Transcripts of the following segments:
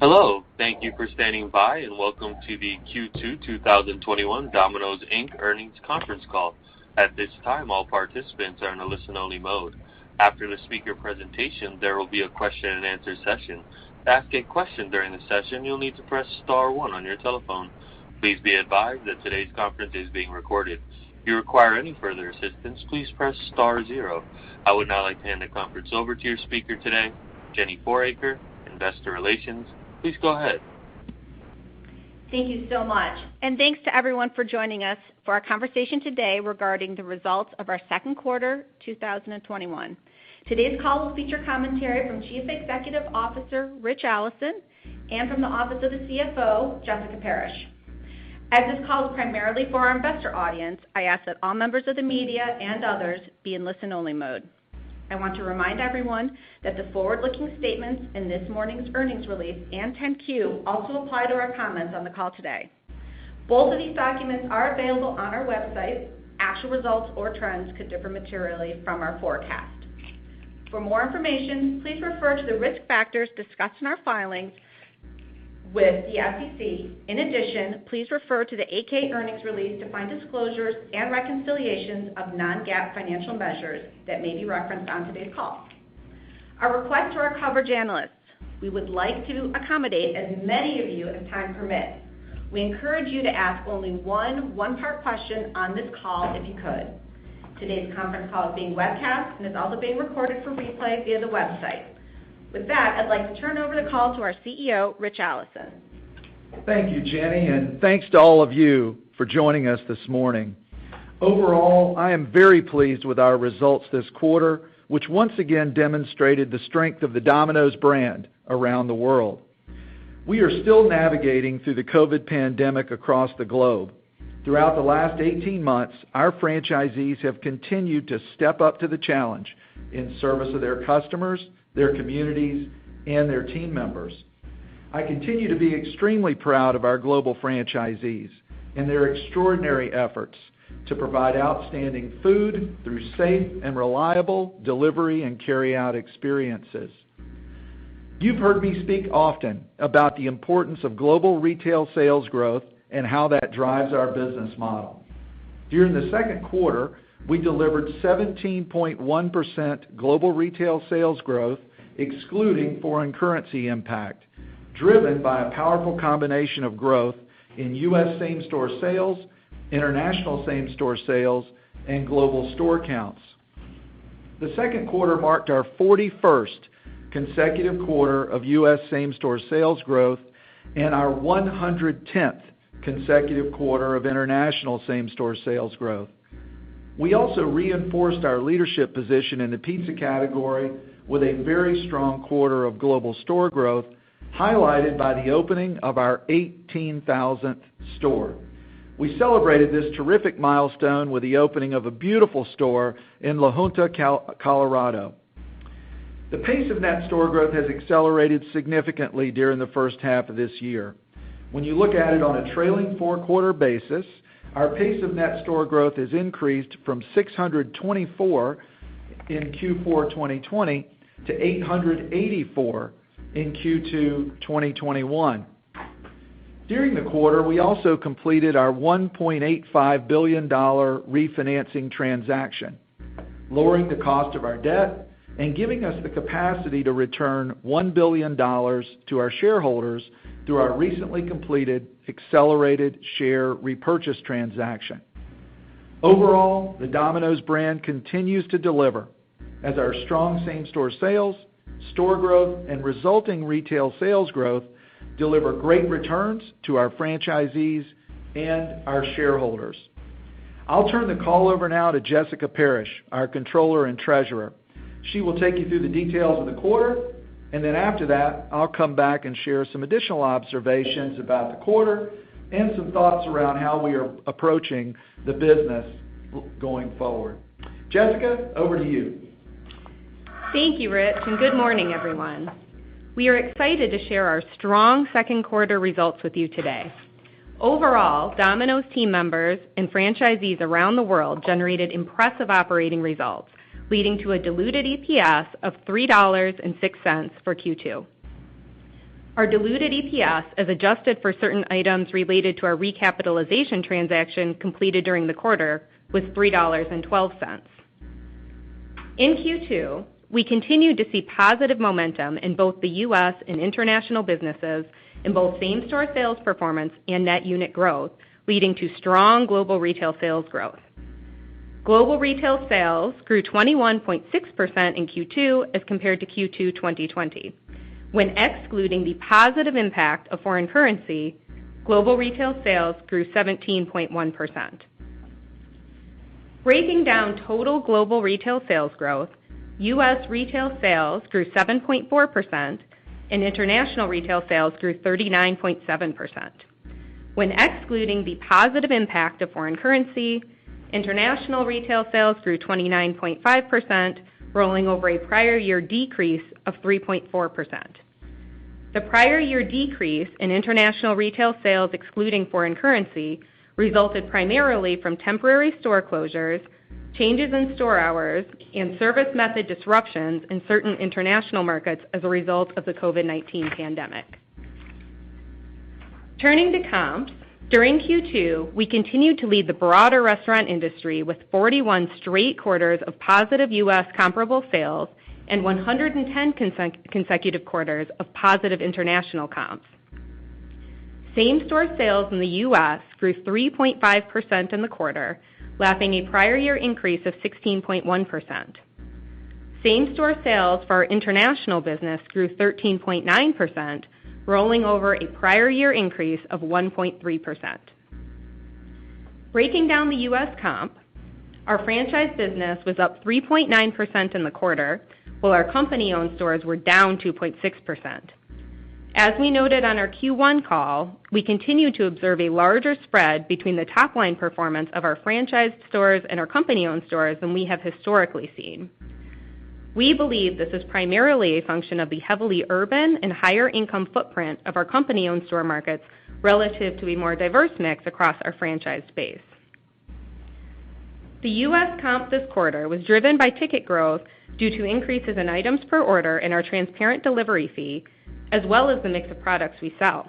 Hello, thank you for standing by, welcome to the Q2 2021 Domino's Pizza, Inc. Earnings Conference Call. I would now like to hand the conference over to your speaker today, Jenny Fouracre, Investor Relations. Please go ahead. Thank you so much, and thanks to everyone for joining us for our conversation today regarding the results of our second quarter 2021. Today's call will feature commentary from Chief Executive Officer, Ritch Allison, and from the Office of the CFO, Jessica Parrish. As this call is primarily for our investor audience, I ask that all members of the media and others be in listen-only mode. I want to remind everyone that the forward-looking statements in this morning's earnings release and 10-Q also apply to our comments on the call today. Both of these documents are available on our website. Actual results or trends could differ materially from our forecast. For more information, please refer to the risk factors discussed in our filings with the SEC. In addition, please refer to the 8-K earnings release to find disclosures and reconciliations of non-GAAP financial measures that may be referenced on today's call. Our request to our coverage analysts: We would like to accommodate as many of you as time permits. We encourage you to ask only one-part question on this call, if you could. Today's conference call is being webcast and is also being recorded for replay via the website. With that, I'd like to turn over the call to our CEO, Ritch Allison. Thank you, Jenny. Thanks to all of you for joining us this morning. Overall, I am very pleased with our results this quarter, which once again demonstrated the strength of the Domino's brand around the world. We are still navigating through the COVID-19 pandemic across the globe. Throughout the last 18 months, our franchisees have continued to step up to the challenge in service of their customers, their communities, and their team members. I continue to be extremely proud of our global franchisees and their extraordinary efforts to provide outstanding food through safe and reliable delivery and carry-out experiences. You've heard me speak often about the importance of global retail sales growth and how that drives our business model. During the second quarter, we delivered 17.1% global retail sales growth, excluding foreign currency impact, driven by a powerful combination of growth in U.S. same-store sales, international same-store sales, and global store counts. The second quarter marked our 41st consecutive quarter of U.S. same-store sales growth and our 110th consecutive quarter of international same-store sales growth. We also reinforced our leadership position in the pizza category with a very strong quarter of global store growth, highlighted by the opening of our 18,000th store. We celebrated this terrific milestone with the opening of a beautiful store in La Junta, Colorado. The pace of net store growth has accelerated significantly during the first half of this year. When you look at it on a trailing four-quarter basis, our pace of net store growth has increased from 624 in Q4 2020 to 884 in Q2 2021. During the quarter, we also completed our $1.85 billion refinancing transaction, lowering the cost of our debt and giving us the capacity to return $1 billion to our shareholders through our recently completed accelerated share repurchase transaction. Overall, the Domino's brand continues to deliver as our strong same-store sales, store growth, and resulting retail sales growth deliver great returns to our franchisees and our shareholders. I'll turn the call over now to Jessica Parrish, our Controller and Treasurer. After that, she will take you through the details of the quarter, I'll come back and share some additional observations about the quarter and some thoughts around how we are approaching the business going forward. Jessica, over to you. Thank you, Ritch. Good morning, everyone. We are excited to share our strong second quarter results with you today. Overall, Domino's team members and franchisees around the world generated impressive operating results, leading to a diluted EPS of $3.06 for Q2. Our diluted EPS, as adjusted for certain items related to our recapitalization transaction completed during the quarter, was $3.12. In Q2, we continued to see positive momentum in both the U.S. and international businesses in both same-store sales performance and net unit growth, leading to strong global retail sales growth. Global retail sales grew 21.6% in Q2 as compared to Q2 2020. When excluding the positive impact of foreign currency, global retail sales grew 17.1%. Breaking down total global retail sales growth, U.S. retail sales grew 7.4%, and international retail sales grew 39.7%. When excluding the positive impact of foreign currency, international retail sales grew 29.5%, rolling over a prior year decrease of 3.4%. The prior year decrease in international retail sales excluding foreign currency resulted primarily from temporary store closures, changes in store hours, and service method disruptions in certain international markets as a result of the COVID-19 pandemic. Turning to comps, during Q2, we continued to lead the broader restaurant industry with 41 straight quarters of positive U.S. comparable sales and 110 consecutive quarters of positive international comps. Same-store sales in the U.S. grew 3.5% in the quarter, lapping a prior year increase of 16.1%. Same-store sales for our international business grew 13.9%, rolling over a prior year increase of 1.3%. Breaking down the U.S. comp, our franchise business was up 3.9% in the quarter, while our company-owned stores were down 2.6%. As we noted on our Q1 call, we continue to observe a larger spread between the top-line performance of our franchised stores and our company-owned stores than we have historically seen. We believe this is primarily a function of the heavily urban and higher income footprint of our company-owned store markets relative to a more diverse mix across our franchise base. The U.S. comp this quarter was driven by ticket growth due to increases in items per order and our transparent delivery fee, as well as the mix of products we sell.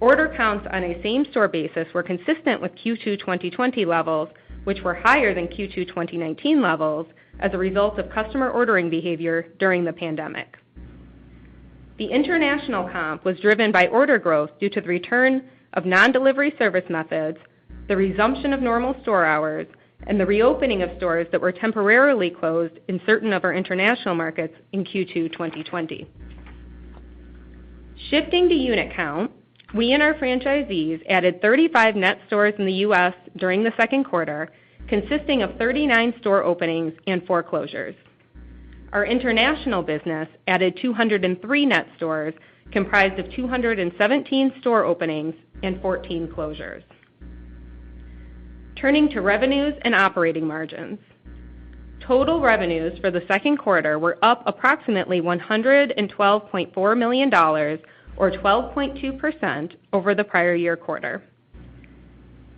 Order counts on a same-store basis were consistent with Q2 2020 levels, which were higher than Q2 2019 levels as a result of customer ordering behavior during the pandemic. The international comp was driven by order growth due to the return of non-delivery service methods, the resumption of normal store hours, and the reopening of stores that were temporarily closed in certain of our international markets in Q2 2020. Shifting to unit count, we and our franchisees added 35 net stores in the U.S. during the second quarter, consisting of 39 store openings and four closures. Our international business added 203 net stores, comprised of 217 store openings and 14 closures. Turning to revenues and operating margins. Total revenues for the second quarter were up approximately $112.4 million, or 12.2%, over the prior year quarter.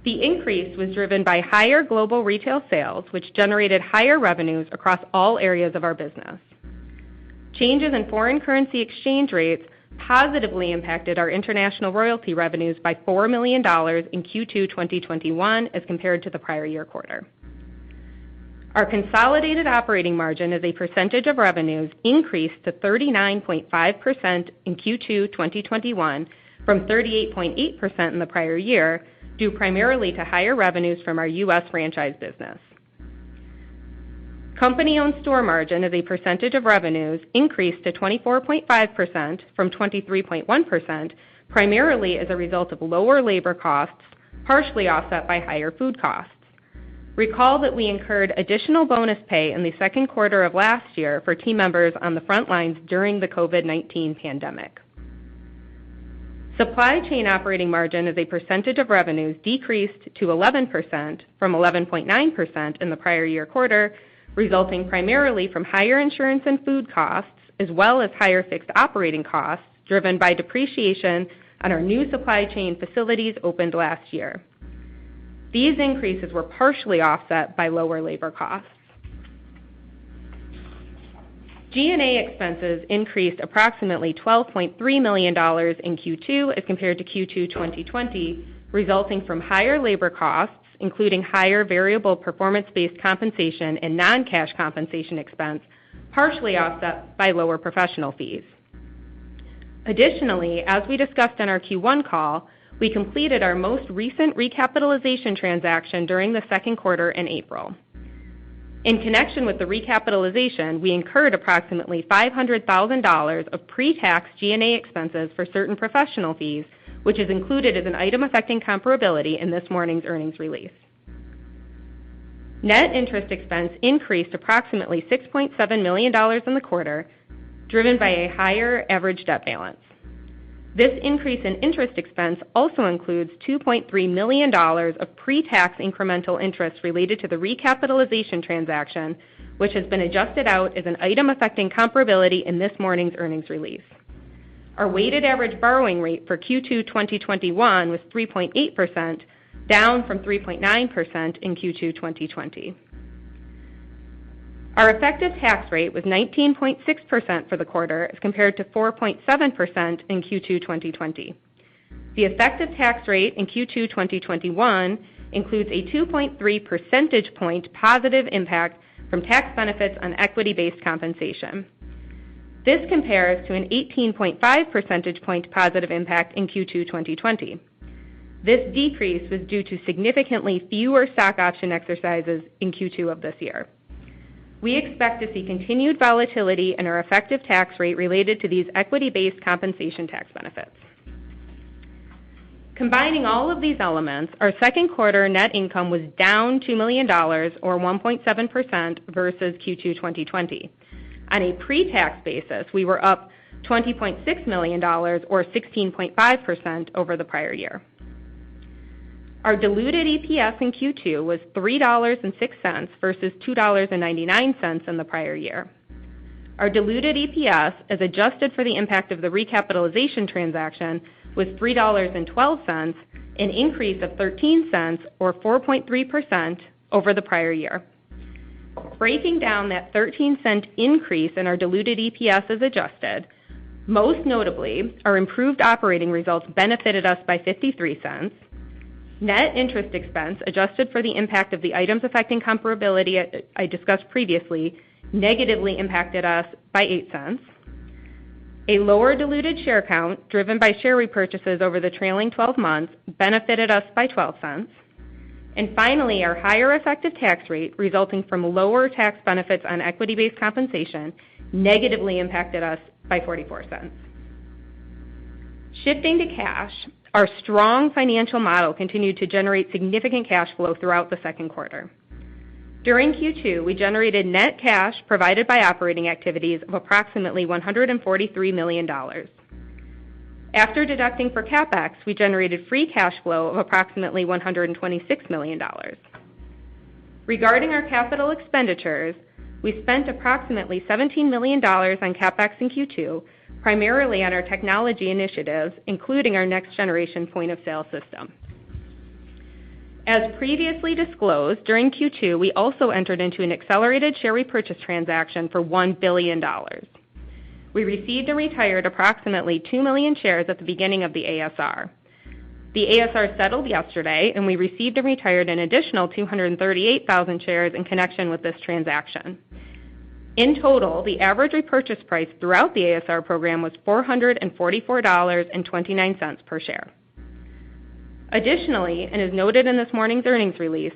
The increase was driven by higher global retail sales, which generated higher revenues across all areas of our business. Changes in foreign currency exchange rates positively impacted our international royalty revenues by $4 million in Q2 2021 as compared to the prior year quarter. Our consolidated operating margin as a percentage of revenues increased to 39.5% in Q2 2021 from 38.8% in the prior year, due primarily to higher revenues from our U.S. franchise business. Company-owned store margin as a percentage of revenues increased to 24.5% from 23.1%, primarily as a result of lower labor costs, partially offset by higher food costs. Recall that we incurred additional bonus pay in the second quarter of last year for team members on the front lines during the COVID-19 pandemic. Supply chain operating margin as a percentage of revenues decreased to 11% from 11.9% in the prior year quarter, resulting primarily from higher insurance and food costs, as well as higher fixed operating costs driven by depreciation on our new supply chain facilities opened last year. These increases were partially offset by lower labor costs. G&A expenses increased approximately $12.3 million in Q2 as compared to Q2 2020, resulting from higher labor costs, including higher variable performance-based compensation and non-cash compensation expense, partially offset by lower professional fees. Additionally, as we discussed on our Q1 call, we completed our most recent recapitalization transaction during the second quarter in April. In connection with the recapitalization, we incurred approximately $500,000 of pre-tax G&A expenses for certain professional fees, which is included as an item affecting comparability in this morning's earnings release. Net interest expense increased approximately $6.7 million in the quarter, driven by a higher average debt balance. This increase in interest expense also includes $2.3 million of pre-tax incremental interest related to the recapitalization transaction, which has been adjusted out as an item affecting comparability in this morning's earnings release. Our weighted average borrowing rate for Q2 2021 was 3.8%, down from 3.9% in Q2 2020. Our effective tax rate was 19.6% for the quarter as compared to 4.7% in Q2 2020. The effective tax rate in Q2 2021 includes a 2.3 percentage point positive impact from tax benefits on equity-based compensation. This compares to an 18.5 percentage point positive impact in Q2 2020. This decrease was due to significantly fewer stock option exercises in Q2 of this year. We expect to see continued volatility in our effective tax rate related to these equity-based compensation tax benefits. Combining all of these elements, our second quarter net income was down $2 million, or 1.7%, versus Q2 2020. On a pre-tax basis, we were up $20.6 million, or 16.5%, over the prior year. Our diluted EPS in Q2 was $3.06 versus $2.99 in the prior year. Our diluted EPS, as adjusted for the impact of the recapitalization transaction, was $3.12, an increase of $0.13, or 4.3%, over the prior year. Breaking down that $0.13 increase in our diluted EPS as adjusted, most notably, our improved operating results benefited us by $0.53. Net interest expense adjusted for the impact of the items affecting comparability I discussed previously, negatively impacted us by $0.08. A lower diluted share count driven by share repurchases over the trailing 12 months benefited us by $0.12. Finally, our higher effective tax rate resulting from lower tax benefits on equity-based compensation negatively impacted us by $0.44. Shifting to cash, our strong financial model continued to generate significant cash flow throughout the second quarter. During Q2, we generated net cash provided by operating activities of approximately $143 million. After deducting for CapEx, we generated free cash flow of approximately $126 million. Regarding our capital expenditures, we spent approximately $17 million on CapEx in Q2, primarily on our technology initiatives, including our next generation point-of-sale system. As previously disclosed, during Q2, we also entered into an accelerated share repurchase transaction for $1 billion. We received and retired approximately 2 million shares at the beginning of the ASR. The ASR settled yesterday, we received and retired an additional 238,000 shares in connection with this transaction. In total, the average repurchase price throughout the ASR program was $444.29 per share. Additionally, as noted in this morning's earnings release,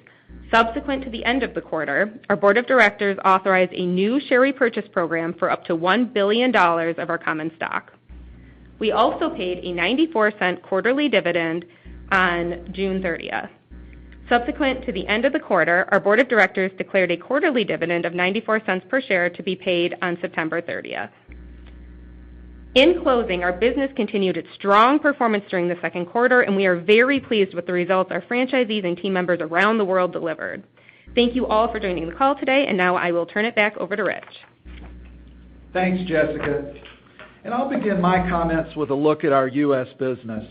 subsequent to the end of the quarter, our board of directors authorized a new share repurchase program for up to $1 billion of our common stock. We also paid a $0.94 quarterly dividend on June 30th. Subsequent to the end of the quarter, our board of directors declared a quarterly dividend of $0.94 per share to be paid on September 30th. In closing, our business continued its strong performance during the second quarter, and we are very pleased with the results our franchisees and team members around the world delivered. Thank you all for joining the call today, and now I will turn it back over to Ritch. Thanks, Jessica. I'll begin my comments with a look at our U.S. business.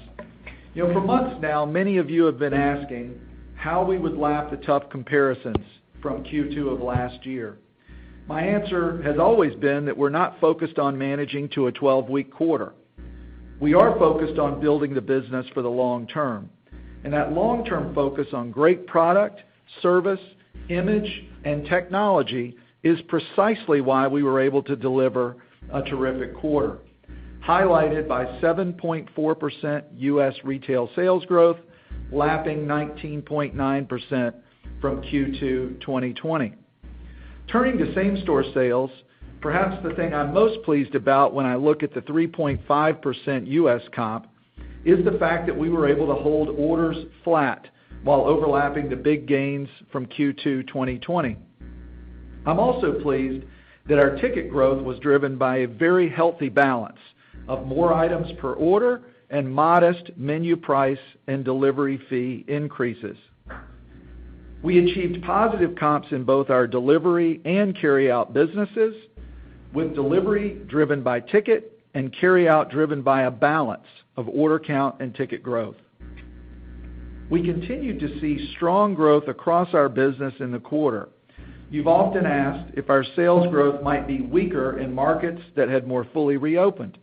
For months now, many of you have been asking how we would lap the tough comparisons from Q2 of last year. My answer has always been that we're not focused on managing to a 12-week quarter. We are focused on building the business for the long term, and that long-term focus on great product, service, image, and technology is precisely why we were able to deliver a terrific quarter, highlighted by 7.4% U.S. retail sales growth, lapping 19.9% from Q2 2020. Turning to same-store sales, perhaps the thing I'm most pleased about when I look at the 3.5% U.S. comp is the fact that we were able to hold orders flat while overlapping the big gains from Q2 2020. I'm also pleased that our ticket growth was driven by a very healthy balance of more items per order and modest menu price and delivery fee increases. We achieved positive comps in both our delivery and carryout businesses with delivery driven by ticket and carryout driven by a balance of order count and ticket growth. We continued to see strong growth across our business in the quarter. You've often asked if our sales growth might be weaker in markets that had more fully reopened.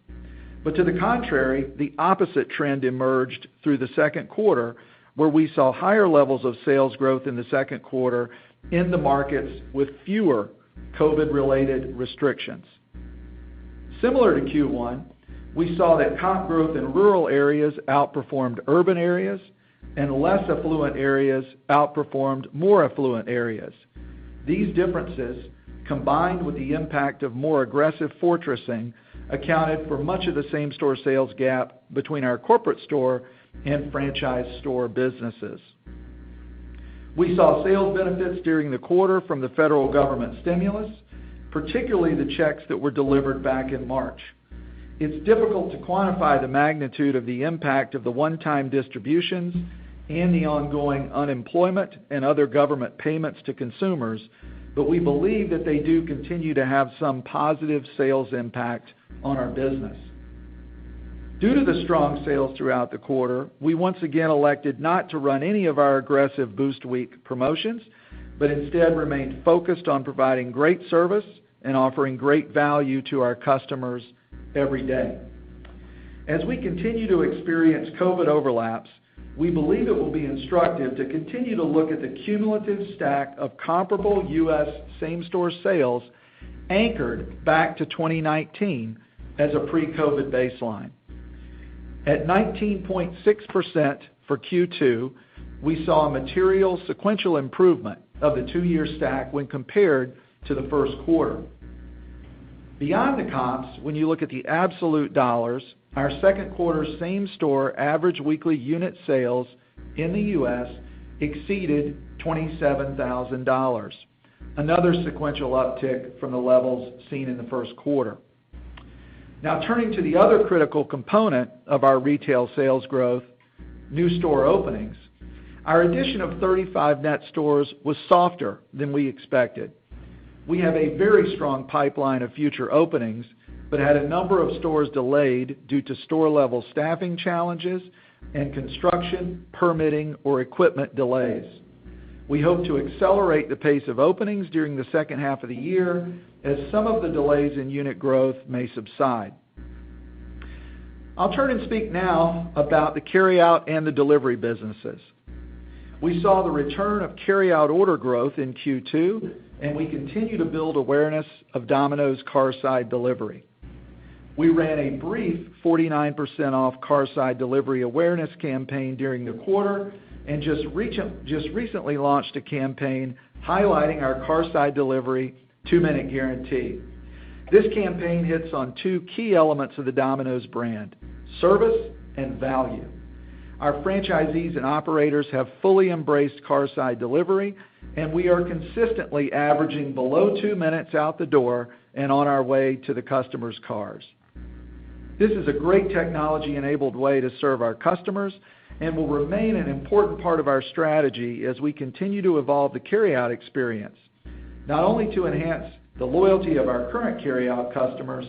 To the contrary, the opposite trend emerged through the second quarter, where we saw higher levels of sales growth in the second quarter in the markets with fewer COVID-related restrictions. Similar to Q1, we saw that comp growth in rural areas outperformed urban areas, and less affluent areas outperformed more affluent areas. These differences, combined with the impact of more aggressive fortressing, accounted for much of the same-store sales gap between our corporate store and franchise store businesses. We saw sales benefits during the quarter from the federal government stimulus, particularly the checks that were delivered back in March. It's difficult to quantify the magnitude of the impact of the one-time distributions and the ongoing unemployment and other government payments to consumers, but we believe that they do continue to have some positive sales impact on our business. Due to the strong sales throughout the quarter, we once again elected not to run any of our aggressive Boost Week promotions, but instead remained focused on providing great service and offering great value to our customers every day. As we continue to experience COVID overlaps, we believe it will be instructive to continue to look at the cumulative stack of comparable U.S. same-store sales anchored back to 2019 as a pre-COVID baseline. At 19.6% for Q2, we saw a material sequential improvement of the two-year stack when compared to the first quarter. Beyond the comps, when you look at the absolute dollars, our second quarter same-store average weekly unit sales in the U.S. exceeded $27,000, another sequential uptick from the levels seen in the first quarter. Turning to the other critical component of our retail sales growth, new store openings. Our addition of 35 net stores was softer than we expected. We have a very strong pipeline of future openings, but had a number of stores delayed due to store-level staffing challenges and construction, permitting, or equipment delays. We hope to accelerate the pace of openings during the second half of the year as some of the delays in unit growth may subside. I'll turn and speak now about the carryout and the delivery businesses. We saw the return of carryout order growth in Q2, and we continue to build awareness of Domino's Carside Delivery. We ran a brief 49% off Carside Delivery awareness campaign during the quarter, and just recently launched a campaign highlighting our Carside Delivery 2-Minute Guarantee. This campaign hits on two key elements of the Domino's brand, service and value. Our franchisees and operators have fully embraced Carside Delivery, and we are consistently averaging below two minutes out the door and on our way to the customer's cars. This is a great technology-enabled way to serve our customers and will remain an important part of our strategy as we continue to evolve the carryout experience, not only to enhance the loyalty of our current carryout customers,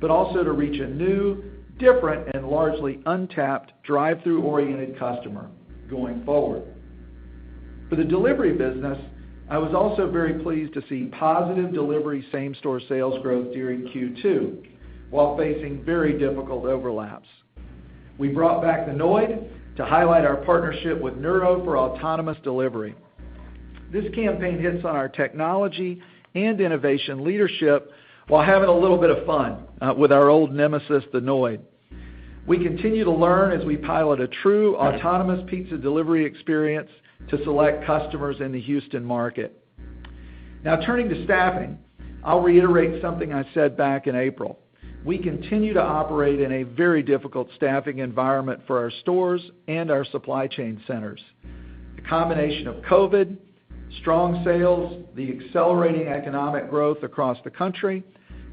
but also to reach a new, different, and largely untapped drive-thru-oriented customer going forward. For the delivery business, I was also very pleased to see positive delivery same-store sales growth during Q2 while facing very difficult overlaps. We brought back the Noid to highlight our partnership with Nuro for autonomous delivery. This campaign hits on our technology and innovation leadership while having a little bit of fun with our old nemesis, the Noid. We continue to learn as we pilot a true autonomous pizza delivery experience to select customers in the Houston market. Now turning to staffing, I'll reiterate something I said back in April. We continue to operate in a very difficult staffing environment for our stores and our supply chain centers. The combination of COVID, strong sales, the accelerating economic growth across the country,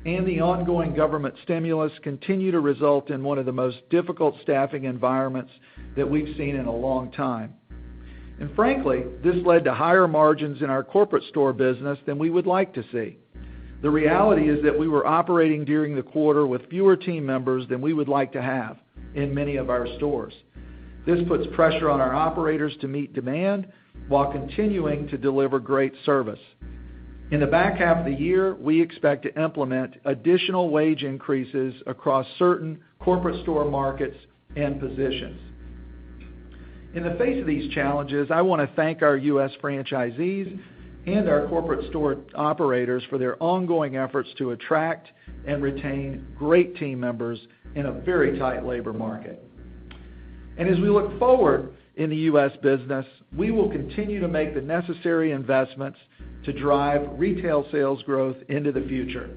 and the ongoing government stimulus continue to result in one of the most difficult staffing environments that we've seen in a long time. Frankly, this led to higher margins in our corporate store business than we would like to see. The reality is that we were operating during the quarter with fewer team members than we would like to have in many of our stores. This puts pressure on our operators to meet demand while continuing to deliver great service. In the back half of the year, we expect to implement additional wage increases across certain corporate store markets and positions. In the face of these challenges, I want to thank our U.S. franchisees and our corporate store operators for their ongoing efforts to attract and retain great team members in a very tight labor market. As we look forward in the U.S. business, we will continue to make the necessary investments to drive retail sales growth into the future.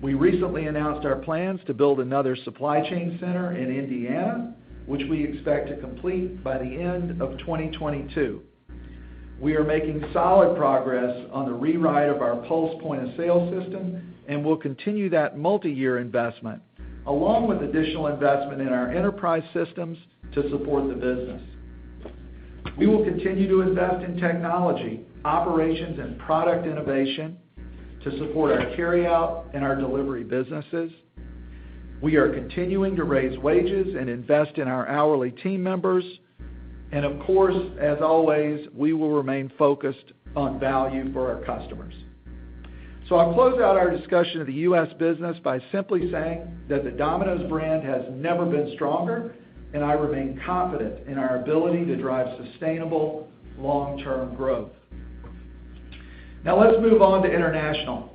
We recently announced our plans to build another supply chain center in Indiana, which we expect to complete by the end of 2022. We are making solid progress on the rewrite of our PULSE point-of-sale system and will continue that multi-year investment, along with additional investment in our enterprise systems to support the business. We will continue to invest in technology, operations, and product innovation to support our carryout and our delivery businesses. We are continuing to raise wages and invest in our hourly team members. Of course, as always, we will remain focused on value for our customers. I'll close out our discussion of the U.S. business by simply saying that the Domino's brand has never been stronger, and I remain confident in our ability to drive sustainable long-term growth. Let's move on to international.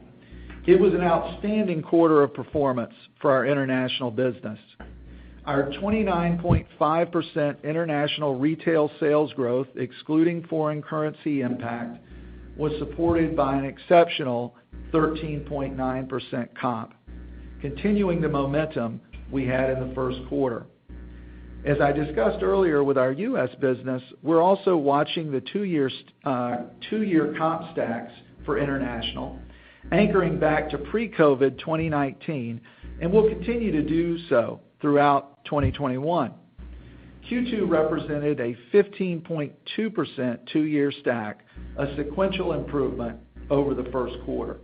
It was an outstanding quarter of performance for our international business. Our 29.5% international retail sales growth, excluding foreign currency impact, was supported by an exceptional 13.9% comp, continuing the momentum we had in the first quarter. As I discussed earlier with our U.S. business, we're also watching the two-year comp stacks for international, anchoring back to pre-COVID 2019, and will continue to do so throughout 2021. Q2 represented a 15.2% two-year stack, a sequential improvement over the first quarter.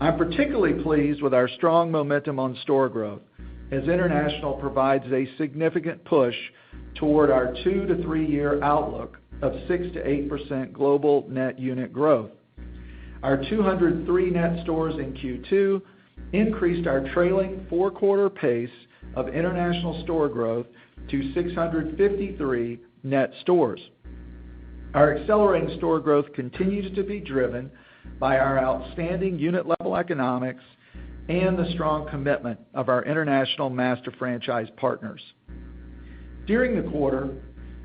I'm particularly pleased with our strong momentum on store growth, as international provides a significant push toward our two to three year outlook of 6%-8% global net unit growth. Our 203 net stores in Q2 increased our trailing four-quarter pace of international store growth to 653 net stores. Our accelerating store growth continues to be driven by our outstanding unit-level economics and the strong commitment of our international master franchise partners. During the quarter,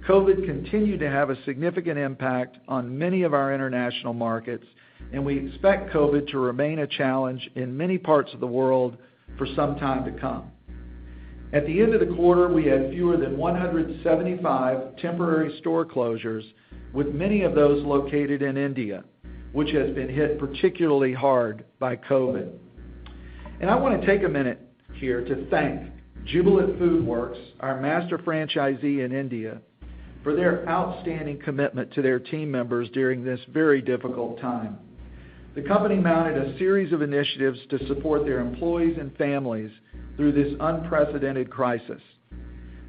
COVID continued to have a significant impact on many of our international markets, and we expect COVID to remain a challenge in many parts of the world for some time to come. At the end of the quarter, we had fewer than 175 temporary store closures, with many of those located in India, which has been hit particularly hard by COVID. I want to take a minute here to thank Jubilant FoodWorks, our master franchisee in India, for their outstanding commitment to their team members during this very difficult time. The company mounted a series of initiatives to support their employees and families through this unprecedented crisis.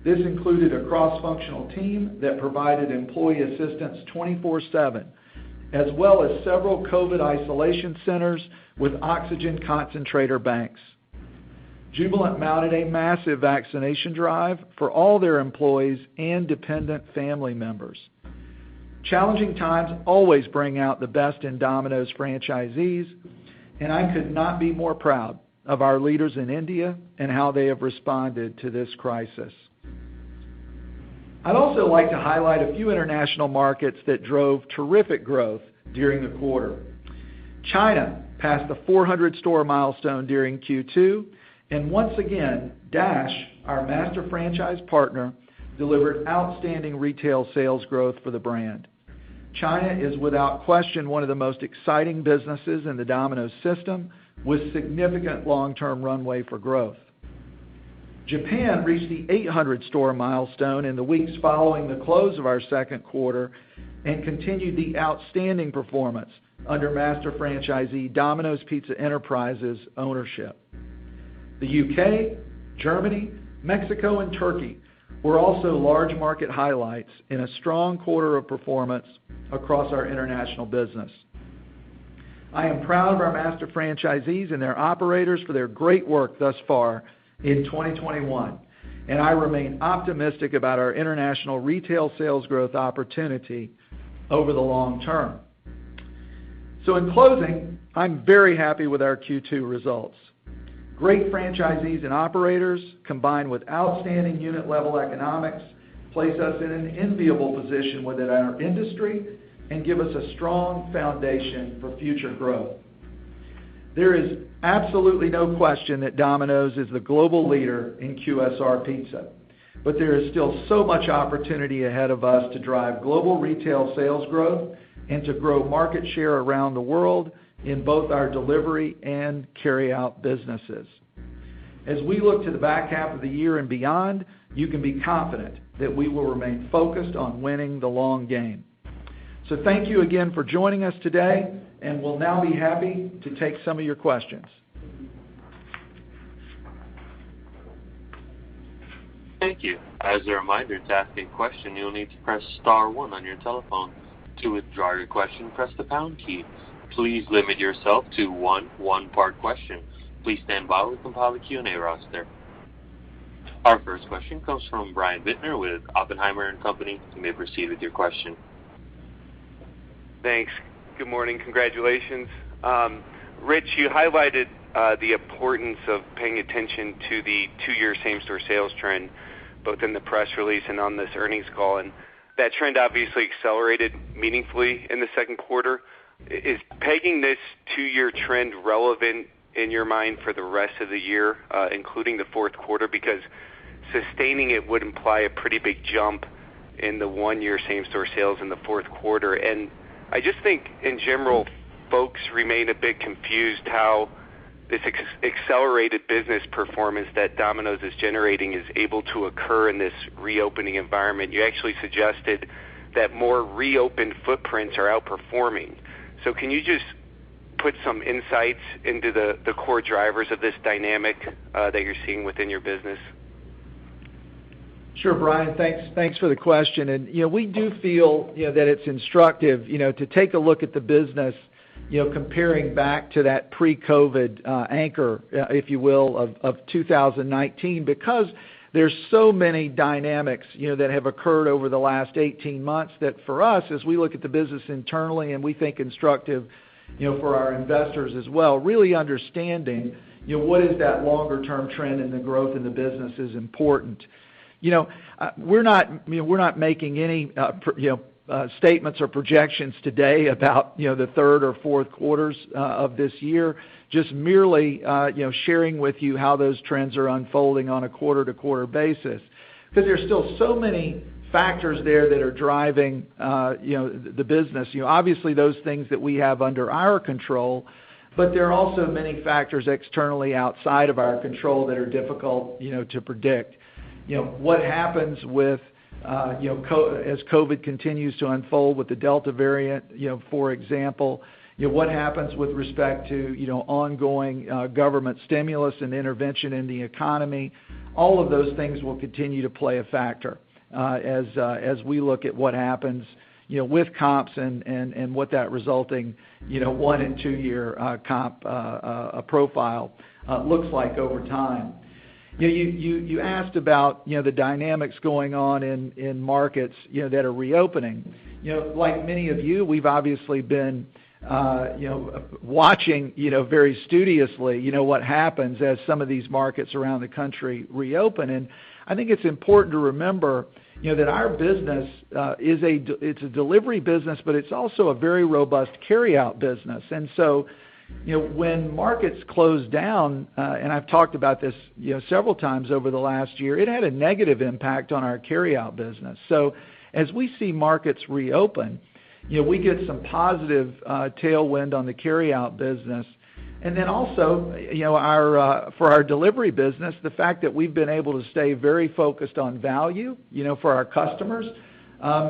This included a cross-functional team that provided employee assistance 24/7, as well as several COVID isolation centers with oxygen concentrator banks. Jubilant mounted a massive vaccination drive for all their employees and dependent family members. Challenging times always bring out the best in Domino's franchisees, and I could not be more proud of our leaders in India and how they have responded to this crisis. I'd also like to highlight a few international markets that drove terrific growth during the quarter. China passed the 400-store milestone during Q2, and once again, Dash, our master franchise partner, delivered outstanding retail sales growth for the brand. China is, without question, one of the most exciting businesses in the Domino's system, with significant long-term runway for growth. Japan reached the 800-store milestone in the weeks following the close of our second quarter and continued the outstanding performance under master franchisee Domino's Pizza Enterprises ownership. The U.K., Germany, Mexico, and Turkey were also large market highlights in a strong quarter of performance across our international business. I am proud of our master franchisees and their operators for their great work thus far in 2021, and I remain optimistic about our international retail sales growth opportunity over the long term. In closing, I'm very happy with our Q2 results. Great franchisees and operators, combined with outstanding unit-level economics, place us in an enviable position within our industry and give us a strong foundation for future growth. There is absolutely no question that Domino's is the global leader in QSR pizza, but there is still so much opportunity ahead of us to drive global retail sales growth and to grow market share around the world in both our delivery and carry-out businesses. As we look to the back half of the year and beyond, you can be confident that we will remain focused on winning the long game. Thank you again for joining us today, and we'll now be happy to take some of your questions. Thank you. As a reminder, to ask a question, you will need to press star one on your telephone. To withdraw your question, press the pound key. Please limit yourself to one one-part question. Please stand by. We'll compile a Q&A roster. Our first question comes from Brian Bittner with Oppenheimer & Company. You may proceed with your question. Thanks. Good morning. Congratulations. Ritch, you highlighted the importance of paying attention to the two-year same-store sales trend, both in the press release and on this earnings call. That trend obviously accelerated meaningfully in the second quarter. Is pegging this two-year trend relevant in your mind for the rest of the year, including the fourth quarter? Sustaining it would imply a pretty big jump in the one year same-store sales in the fourth quarter. I just think in general, folks remain a bit confused how this accelerated business performance that Domino's is generating is able to occur in this reopening environment. You actually suggested that more reopened footprints are outperforming. Can you just put some insights into the core drivers of this dynamic that you're seeing within your business? Sure, Brian. Thanks for the question. We do feel that it's instructive to take a look at the business, comparing back to that pre-COVID anchor, if you will, of 2019 because there are so many dynamics that have occurred over the last 18 months that for us, as we look at the business internally and we think instructive for our investors as well, really understanding what is that longer-term trend in the growth in the business is important. We're not making any statements or projections today about the third or fourth quarters of this year, just merely sharing with you how those trends are unfolding on a quarter-to-quarter basis, because there are still so many factors there that are driving the business. Those things that we have under our control, but there are also many factors externally outside of our control that are difficult to predict. What happens as COVID-19 continues to unfold with the Delta variant, for example. What happens with respect to ongoing government stimulus and intervention in the economy. All of those things will continue to play a factor as we look at what happens with comps and what that resulting one and two-year comp profile looks like over time. You asked about the dynamics going on in markets that are reopening. Like many of you, we've obviously been watching very studiously what happens as some of these markets around the country reopen. I think it's important to remember that our business is a delivery business, but it's also a very robust carry-out business. When markets closed down, and I've talked about this several times over the last year, it had a negative impact on our carry-out business. As we see markets reopen, we get some positive tailwind on the carry-out business. For our delivery business, the fact that we've been able to stay very focused on value for our customers,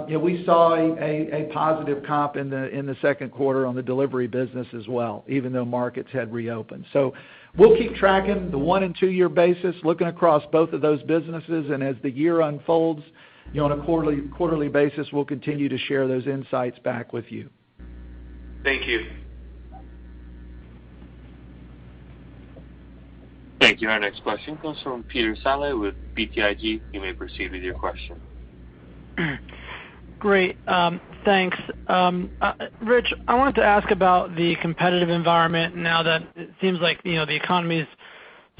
we saw a positive comp in the second quarter on the delivery business as well, even though markets had reopened. We'll keep tracking the one and two-year basis, looking across both of those businesses, and as the year unfolds on a quarterly basis, we'll continue to share those insights back with you. Thank you. Thank you. Our next question comes from Peter Saleh with BTIG. You may proceed with your question. Great. Thanks. Ritch, I wanted to ask about the competitive environment now that it seems like the economy is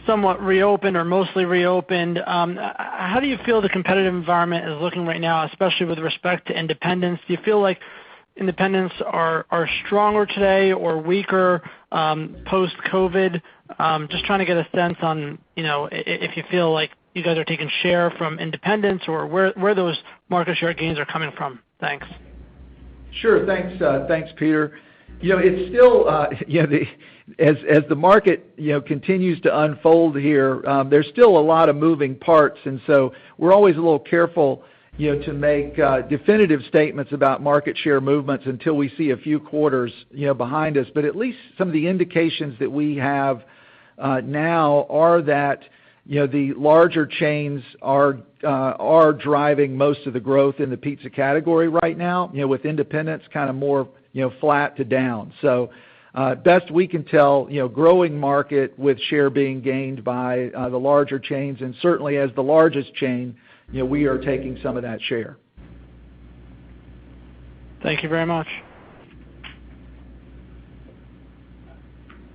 somewhat reopened or mostly reopened. How do you feel the competitive environment is looking right now, especially with respect to independents? Do you feel like independents are stronger today or weaker, post-COVID-19? Just trying to get a sense on if you feel like you guys are taking share from independents, or where those market share gains are coming from. Thanks. Sure. Thanks, Peter Saleh. As the market continues to unfold here, there's still a lot of moving parts, we're always a little careful to make definitive statements about market share movements until we see a few quarters behind us. At least some of the indications that we have now are that the larger chains are driving most of the growth in the pizza category right now. With independents, kind of more flat to down. Best we can tell, growing market with share being gained by the larger chains and certainly as the largest chain, we are taking some of that share. Thank you very much.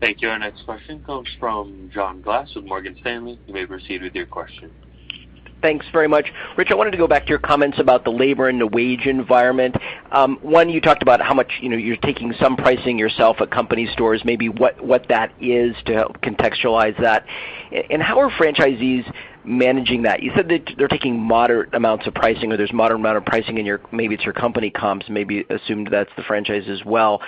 Thank you. Our next question comes from John Glass with Morgan Stanley. You may proceed with your question. Thanks very much. Ritch, I wanted to go back to your comments about the labor and the wage environment. One, you talked about how much you're taking some pricing yourself at company stores, maybe what that is to help contextualize that. How are franchisees managing that? You said that they're taking moderate amounts of pricing, or there's moderate amount of pricing and maybe it's your company comps, maybe assumed that's the franchise as well.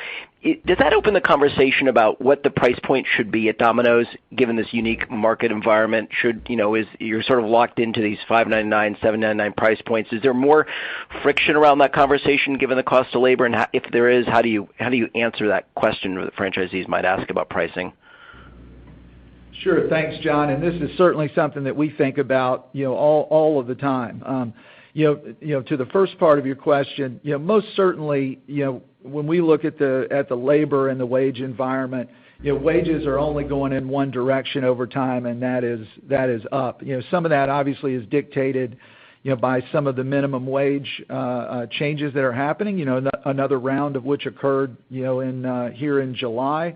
Does that open the conversation about what the price point should be at Domino's, given this unique market environment? You're sort of locked into these $5.99, $7.99 price points. Is there more friction around that conversation given the cost of labor? If there is, how do you answer that question that franchisees might ask about pricing? Sure. Thanks, John. This is certainly something that we think about all of the time. To the first part of your question, most certainly, when we look at the labor and the wage environment, wages are only going in one direction over time, and that is up. Some of that obviously is dictated by some of the minimum wage changes that are happening, another round of which occurred here in July.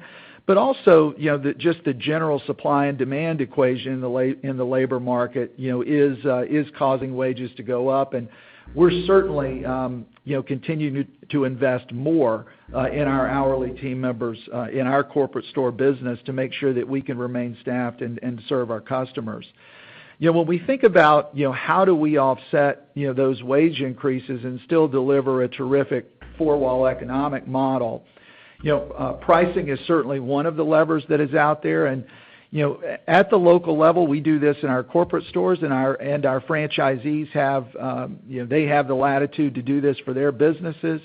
Also, just the general supply and demand equation in the labor market is causing wages to go up, and we're certainly continuing to invest more in our hourly team members in our corporate store business to make sure that we can remain staffed and serve our customers. When we think about how do we offset those wage increases and still deliver a terrific four-wall economic model. Pricing is certainly one of the levers that is out there, and at the local level, we do this in our corporate stores and our franchisees have the latitude to do this for their businesses.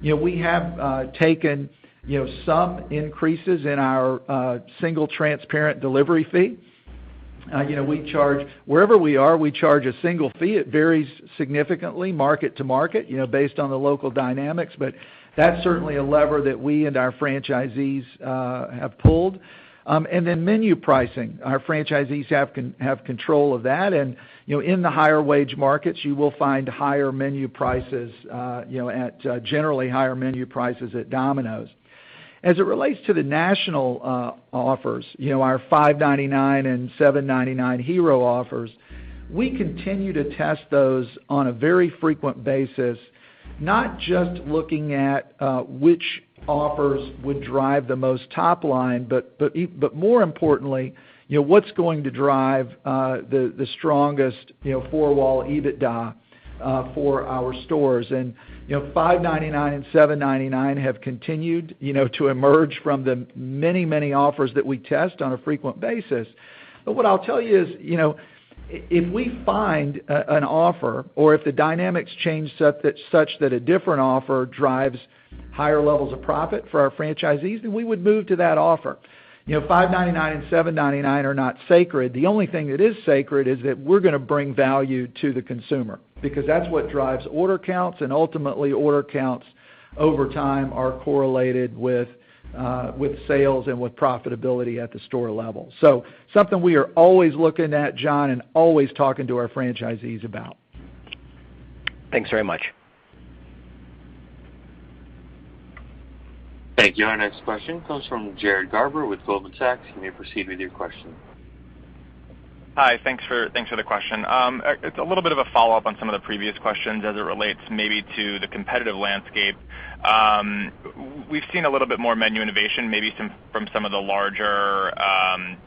We have taken some increases in our single transparent delivery fee. Wherever we are, we charge a single fee. It varies significantly market to market, based on the local dynamics. That's certainly a lever that we and our franchisees have pulled. Then menu pricing. Our franchisees have control of that, and in the higher wage markets, you will find generally higher menu prices at Domino's. As it relates to the national offers, our $5.99 and $7.99 Hero offers, we continue to test those on a very frequent basis. Not just looking at which offers would drive the most top line, but more importantly, what's going to drive the strongest four-wall EBITDA for our stores. $5.99 and $7.99 have continued to emerge from the many offers that we test on a frequent basis. What I'll tell you is, if we find an offer or if the dynamics change such that a different offer drives higher levels of profit for our franchisees, then we would move to that offer. $5.99 and $7.99 are not sacred. The only thing that is sacred is that we're going to bring value to the consumer, because that's what drives order counts, and ultimately, order counts over time are correlated with sales and with profitability at the store level. Something we are always looking at, John, and always talking to our franchisees about. Thanks very much. Thank you. Our next question comes from Jared Garber with Goldman Sachs. You may proceed with your question. Hi. Thanks for the question. It's a little bit of a follow-up on some of the previous questions as it relates maybe to the competitive landscape. We've seen a little bit more menu innovation, maybe from some of the larger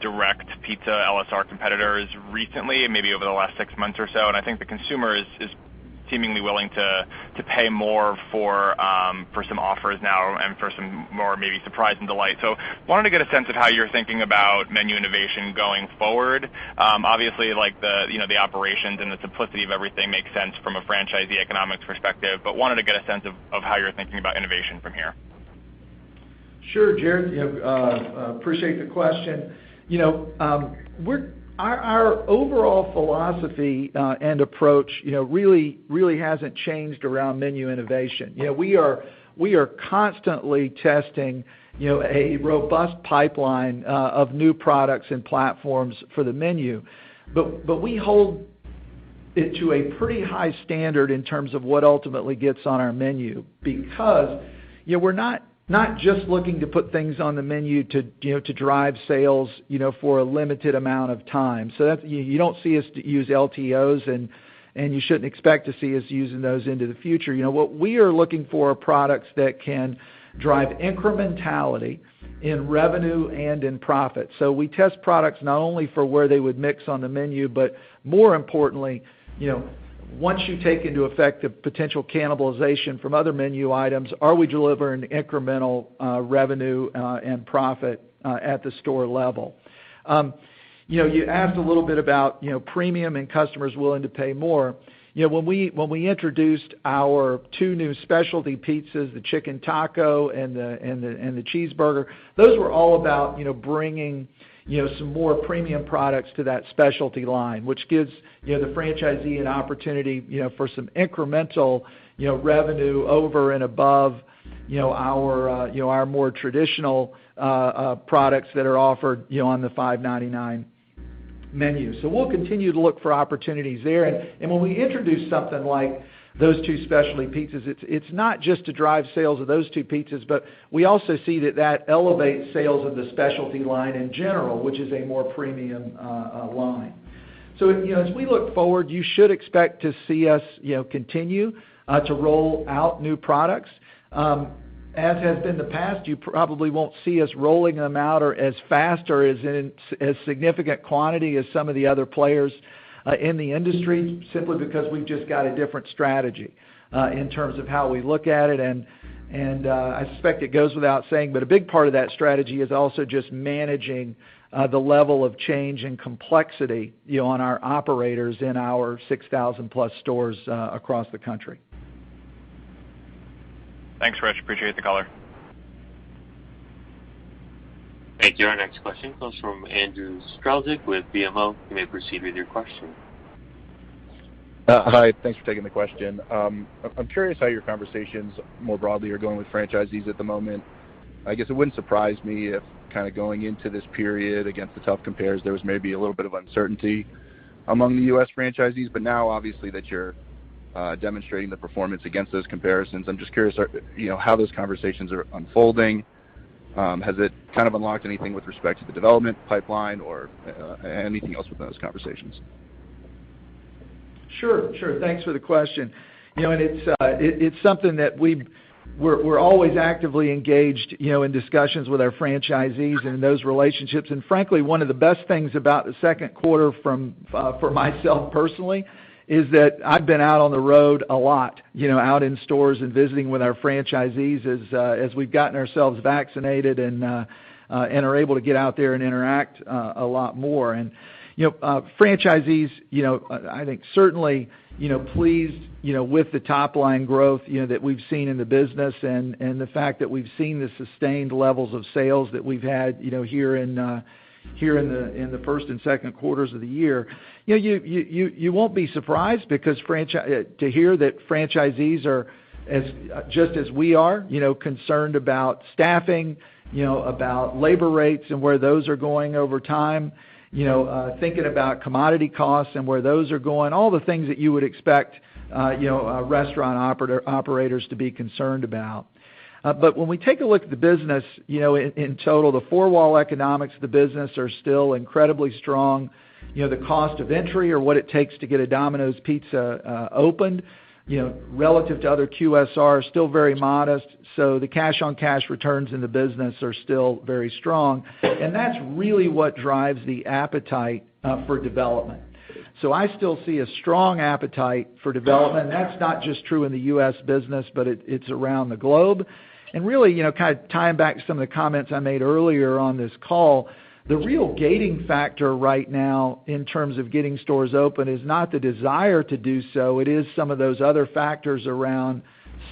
direct pizza LSR competitors recently, maybe over the last six months or so, and I think the consumer is seemingly willing to pay more for some offers now and for some more maybe surprise and delight. Wanted to get a sense of how you're thinking about menu innovation going forward. Obviously, the operations and the simplicity of everything makes sense from a franchisee economics perspective, but wanted to get a sense of how you're thinking about innovation from here. Sure, Jared. Appreciate the question. Our overall philosophy and approach really hasn't changed around menu innovation. We are constantly testing a robust pipeline of new products and platforms for the menu. We hold it to a pretty high standard in terms of what ultimately gets on our menu, because we're not just looking to put things on the menu to drive sales for a limited amount of time. You don't see us use LTOs, and you shouldn't expect to see us using those into the future. What we are looking for are products that can drive incrementality in revenue and in profit. We test products not only for where they would mix on the menu, but more importantly, once you take into effect the potential cannibalization from other menu items, are we delivering incremental revenue and profit at the store level? You asked a little bit about premium and customers willing to pay more. When we introduced our two new specialty pizzas, the chicken taco and the cheeseburger, those were all about bringing some more premium products to that specialty line, which gives the franchisee an opportunity for some incremental revenue over and above our more traditional products that are offered on the $5.99 menu. We'll continue to look for opportunities there. When we introduce something like those two specialty pizzas, it's not just to drive sales of those two pizzas, but we also see that that elevates sales of the specialty line in general, which is a more premium line. As we look forward, you should expect to see us continue to roll out new products. As has been the past, you probably won't see us rolling them out or as fast or as significant quantity as some of the other players in the industry, simply because we've just got a different strategy in terms of how we look at it. I suspect it goes without saying, but a big part of that strategy is also just managing the level of change and complexity on our operators in our 6,000+ stores across the country. Thanks, Ritch. Appreciate the color. Thank you. Our next question comes from Andrew Strelzik with BMO. You may proceed with your question. Hi. Thanks for taking the question. I'm curious how your conversations more broadly are going with franchisees at the moment. I guess it wouldn't surprise me if kind of going into this period against the tough compares, there was maybe a little bit of uncertainty among the U.S. franchisees. Now obviously that you're demonstrating the performance against those comparisons. I'm just curious, how those conversations are unfolding. Has it kind of unlocked anything with respect to the development pipeline or anything else within those conversations? Sure. Thanks for the question. It's something that we're always actively engaged in discussions with our franchisees and those relationships. Frankly, one of the best things about the second quarter for myself personally, is that I've been out on the road a lot, out in stores and visiting with our franchisees as we've gotten ourselves vaccinated and are able to get out there and interact a lot more. Franchisees, I think certainly pleased with the top-line growth that we've seen in the business and the fact that we've seen the sustained levels of sales that we've had here in the first and second quarters of the year. You won't be surprised to hear that franchisees are just as we are, concerned about staffing, about labor rates and where those are going over time, thinking about commodity costs and where those are going, all the things that you would expect restaurant operators to be concerned about. When we take a look at the business in total, the four-wall economics of the business are still incredibly strong. The cost of entry or what it takes to get a Domino's Pizza opened, relative to other QSRs, still very modest. The cash-on-cash returns in the business are still very strong. That's really what drives the appetite for development. I still see a strong appetite for development, and that's not just true in the U.S. business, but it's around the globe. Really, kind of tying back some of the comments I made earlier on this call, the real gating factor right now in terms of getting stores open is not the desire to do so, it is some of those other factors around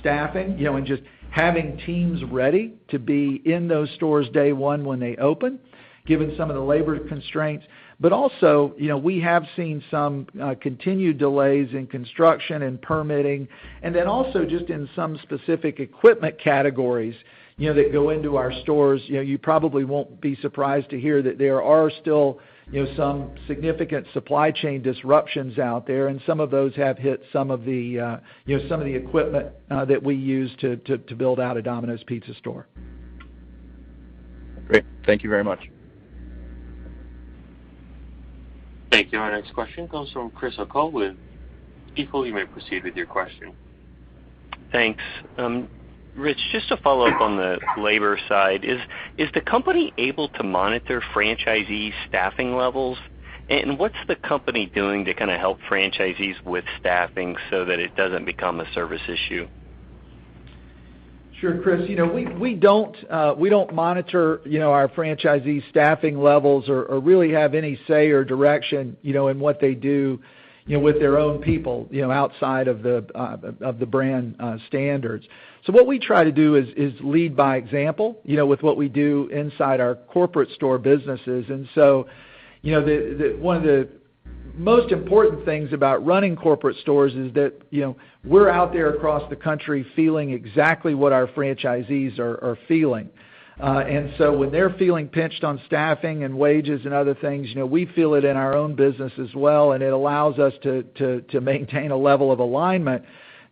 staffing, and just having teams ready to be in those stores day 1 when they open, given some of the labor constraints. Also, we have seen some continued delays in construction and permitting, and then also just in some specific equipment categories that go into our stores. You probably won't be surprised to hear that there are still some significant supply chain disruptions out there, and some of those have hit some of the equipment that we use to build out a Domino's Pizza store. Great. Thank you very much. Thank you. Our next question comes from Chris O'Cull with Stifel. You may proceed with your question. Thanks. Ritch, just to follow up on the labor side, is the company able to monitor franchisee staffing levels? What's the company doing to kind of help franchisees with staffing so that it doesn't become a service issue? Sure, Chris. We don't monitor our franchisee staffing levels or really have any say or direction in what they do with their own people, outside of the brand standards. What we try to do is lead by example, with what we do inside our corporate store businesses. One of the most important things about running corporate stores is that we're out there across the country feeling exactly what our franchisees are feeling. When they're feeling pinched on staffing and wages and other things, we feel it in our own business as well, and it allows us to maintain a level of alignment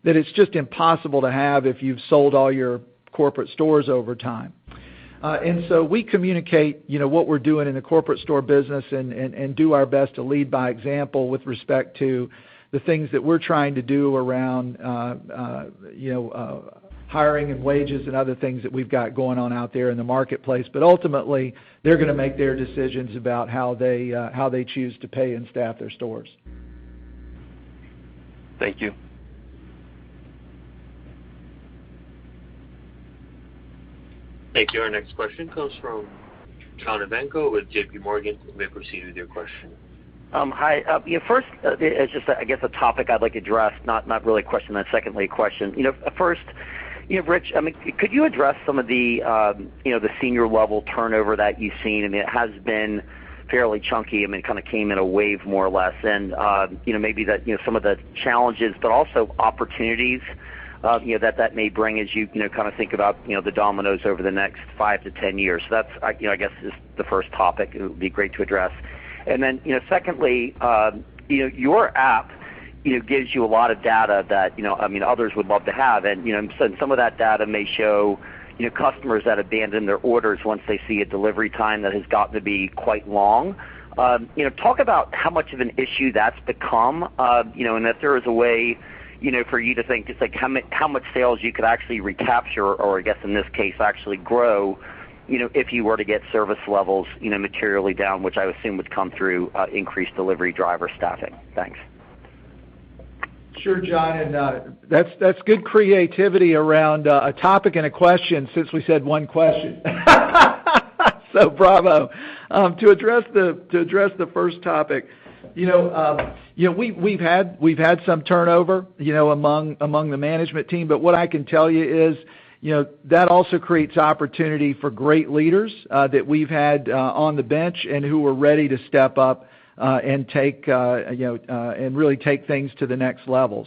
that is just impossible to have if you've sold all your corporate stores over time. We communicate what we're doing in the corporate store business and do our best to lead by example with respect to the things that we're trying to do around hiring and wages and other things that we've got going on out there in the marketplace. Ultimately, they're going to make their decisions about how they choose to pay and staff their stores. Thank you. Thank you. Our next question comes from John Ivankoe with JPMorgan. You may proceed with your question. Hi. First, it's just, I guess, a topic I'd like to address, not really a question. Secondly, a question. First, Ritch, could you address some of the senior level turnover that you've seen? I mean, it has been fairly chunky, kind of came in a wave, more or less. Maybe some of the challenges, but also opportunities that that may bring as you think about Domino's over the next five to ten years. That's, I guess, is the first topic it would be great to address. Then, secondly, your app gives you a lot of data that others would love to have. Some of that data may show customers that abandon their orders once they see a delivery time that has gotten to be quite long. Talk about how much of an issue that's become, if there is a way for you to think just how much sales you could actually recapture or I guess, in this case, actually grow, if you were to get service levels materially down, which I would assume would come through increased delivery driver staffing. Thanks. Sure, John, that's good creativity around a topic and a question since we said one question. Bravo. To address the first topic, we've had some turnover among the management team. What I can tell you is that also creates opportunity for great leaders that we've had on the bench and who are ready to step up and really take things to the next level.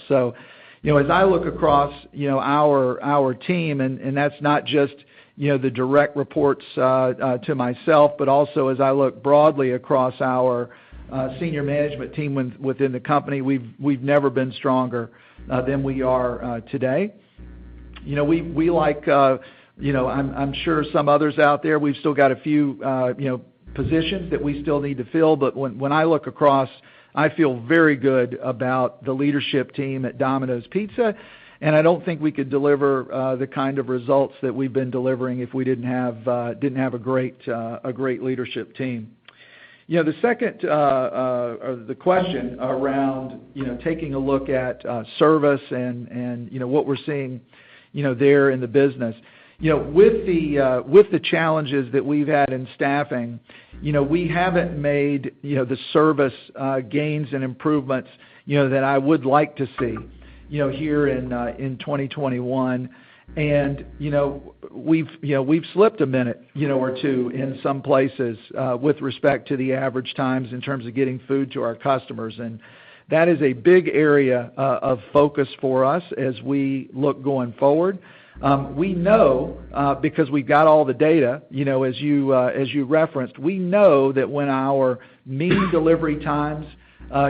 As I look across our team, and that's not just the direct reports to myself, but also as I look broadly across our senior management team within the company, we've never been stronger than we are today. I'm sure some others out there, we've still got a few positions that we still need to fill. When I look across, I feel very good about the leadership team at Domino's Pizza, and I don't think we could deliver the kind of results that we've been delivering if we didn't have a great leadership team. The question around taking a look at service and what we're seeing there in the business. With the challenges that we've had in staffing, we haven't made the service gains and improvements that I would like to see here in 2021. We've slipped a minute or two in some places with respect to the average times in terms of getting food to our customers. That is a big area of focus for us as we look going forward. We know because we got all the data, as you referenced. We know that when our mean delivery times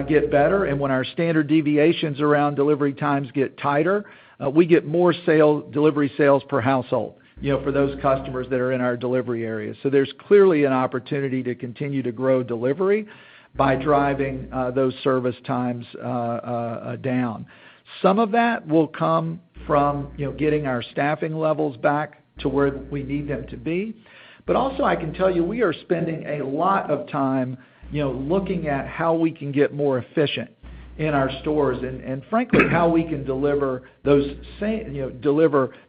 get better and when our standard deviations around delivery times get tighter, we get more delivery sales per household for those customers that are in our delivery area. There's clearly an opportunity to continue to grow delivery by driving those service times down. Some of that will come from getting our staffing levels back to where we need them to be. Also, I can tell you, we are spending a lot of time looking at how we can get more efficient in our stores and frankly, how we can deliver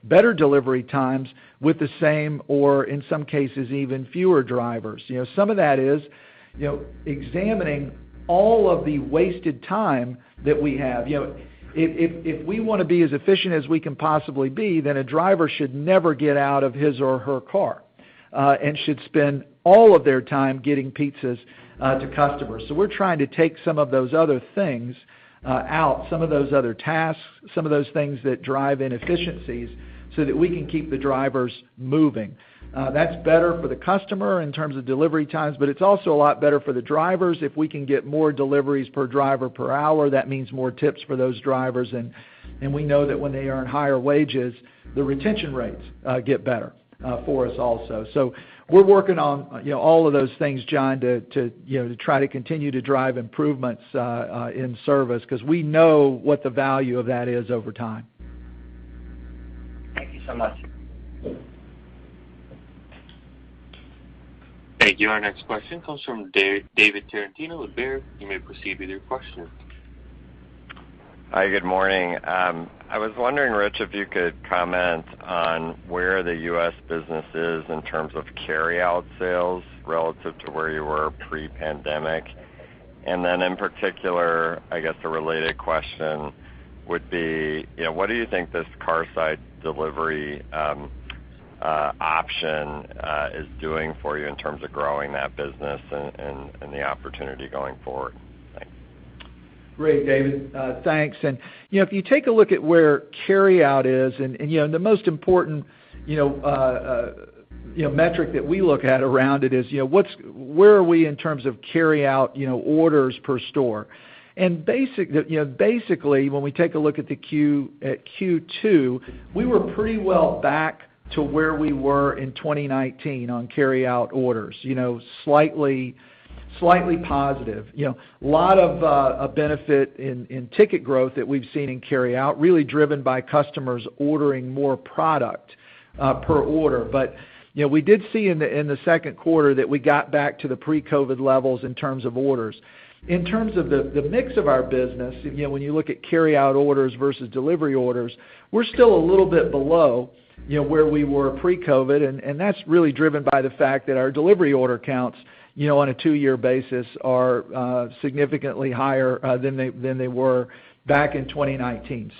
better delivery times with the same, or in some cases, even fewer drivers. Some of that is examining all of the wasted time that we have. If we want to be as efficient as we can possibly be, then a driver should never get out of his or her car and should spend all of their time getting pizzas to customers. We're trying to take some of those other things out, some of those other tasks, some of those things that drive inefficiencies so that we can keep the drivers moving. That's better for the customer in terms of delivery times, but it's also a lot better for the drivers. If we can get more deliveries per driver per hour, that means more tips for those drivers. We know that when they earn higher wages, the retention rates get better for us also. We're working on all of those things, John, to try to continue to drive improvements in service because we know what the value of that is over time. Thank you so much. Thank you. Our next question comes from David Tarantino with Baird. You may proceed with your question. Hi, good morning. I was wondering, Ritch, if you could comment on where the U.S. business is in terms of carryout sales relative to where you were pre-pandemic. In particular, I guess a related question would be, what do you think this Carside Delivery option is doing for you in terms of growing that business and the opportunity going forward. Thanks. Great, David. Thanks. If you take a look at where carryout is, and the most important metric that we look at around it is where are we in terms of carryout orders per store? Basically, when we take a look at Q2, we were pretty well back to where we were in 2019 on carryout orders, slightly positive. A lot of benefit in ticket growth that we've seen in carryout, really driven by customers ordering more product per order. We did see in the second quarter that we got back to the pre-COVID levels in terms of orders. In terms of the mix of our business, when you look at carryout orders versus delivery orders, we're still a little bit below where we were pre-COVID-19, and that's really driven by the fact that our delivery order counts on a two-year basis are significantly higher than they were back in 2019.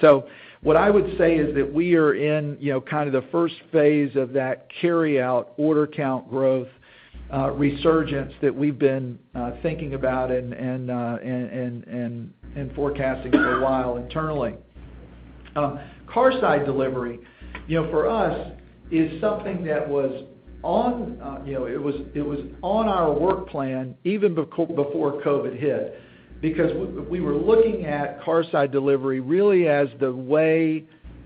What I would say is that we are in kind of the first phase of that carryout order count growth resurgence that we've been thinking about and forecasting for a while internally. Carside Delivery for us is something that was on our work plan even before COVID-19 hit, because we were looking at Carside Delivery really as the way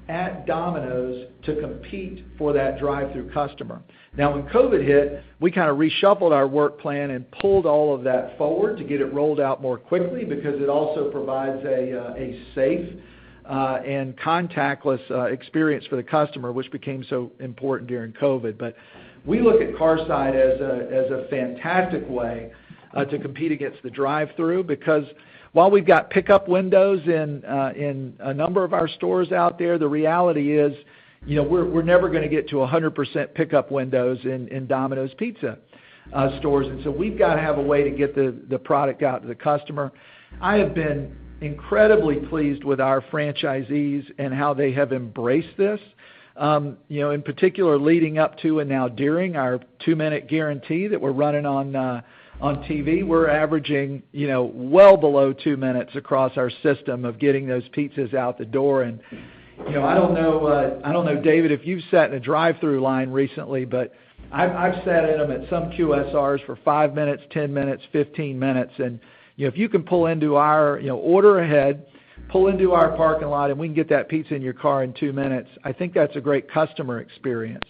at Domino's to compete for that drive-through customer. When COVID-19 hit, we kind of reshuffled our work plan and pulled all of that forward to get it rolled out more quickly because it also provides a safe and contactless experience for the customer, which became so important during COVID-19. We look at Carside Delivery as a fantastic way to compete against the drive-through because while we've got pickup windows in a number of our stores out there, the reality is, we're never going to get to 100% pickup windows in Domino's Pizza stores. So we've got to have a way to get the product out to the customer. I have been incredibly pleased with our franchisees and how they have embraced this. In particular, leading up to and now during our 2-Minute Guarantee that we're running on TV, we're averaging well below two minutes across our system of getting those pizzas out the door. I don't know, David, if you've sat in a drive-through line recently, but I've sat in them at some QSRs for five minutes, 10 minutes, 15 minutes. If you can order ahead, pull into our parking lot, and we can get that pizza in your car in two minutes, I think that's a great customer experience.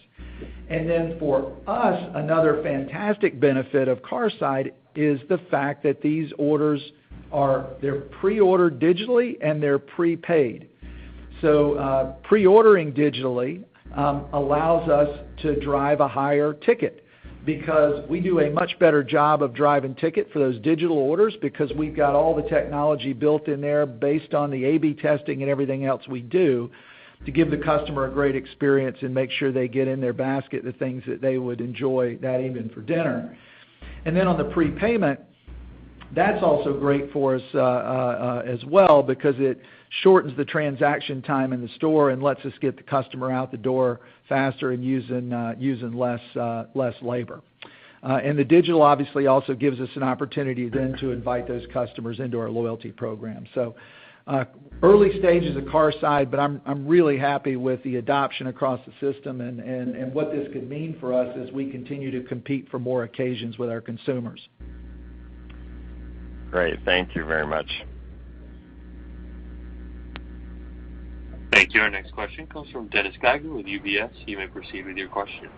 For us, another fantastic benefit of Carside Delivery is the fact that these orders are pre-ordered digitally and they're prepaid. Pre-ordering digitally allows us to drive a higher ticket, because we do a much better job of driving ticket for those digital orders because we've got all the technology built in there based on the A/B testing and everything else we do to give the customer a great experience and make sure they get in their basket the things that they would enjoy that evening for dinner. On the prepayment, that's also great for us as well because it shortens the transaction time in the store and lets us get the customer out the door faster and using less labor. The digital obviously also gives us an opportunity then to invite those customers into our loyalty program. Early stages of Carside, but I'm really happy with the adoption across the system and what this could mean for us as we continue to compete for more occasions with our consumers. Great. Thank you very much. Thank you. Our next question comes from Dennis Geiger with UBS. You may proceed with your question.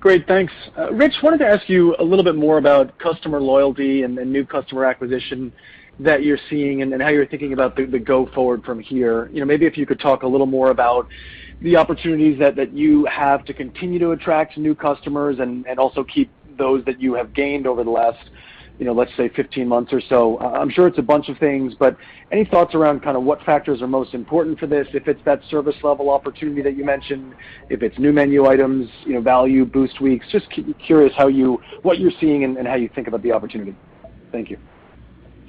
Great. Thanks. Ritch, wanted to ask you a little bit more about customer loyalty and the new customer acquisition that you're seeing and how you're thinking about the go forward from here. Maybe if you could talk a little more about the opportunities that you have to continue to attract new customers and also keep those that you have gained over the last, let's say, 15 months or so. I'm sure it's a bunch of things. Any thoughts around kind of what factors are most important for this, if it's that service level opportunity that you mentioned, if it's new menu items, value Boost Week, just curious what you're seeing and how you think about the opportunity. Thank you.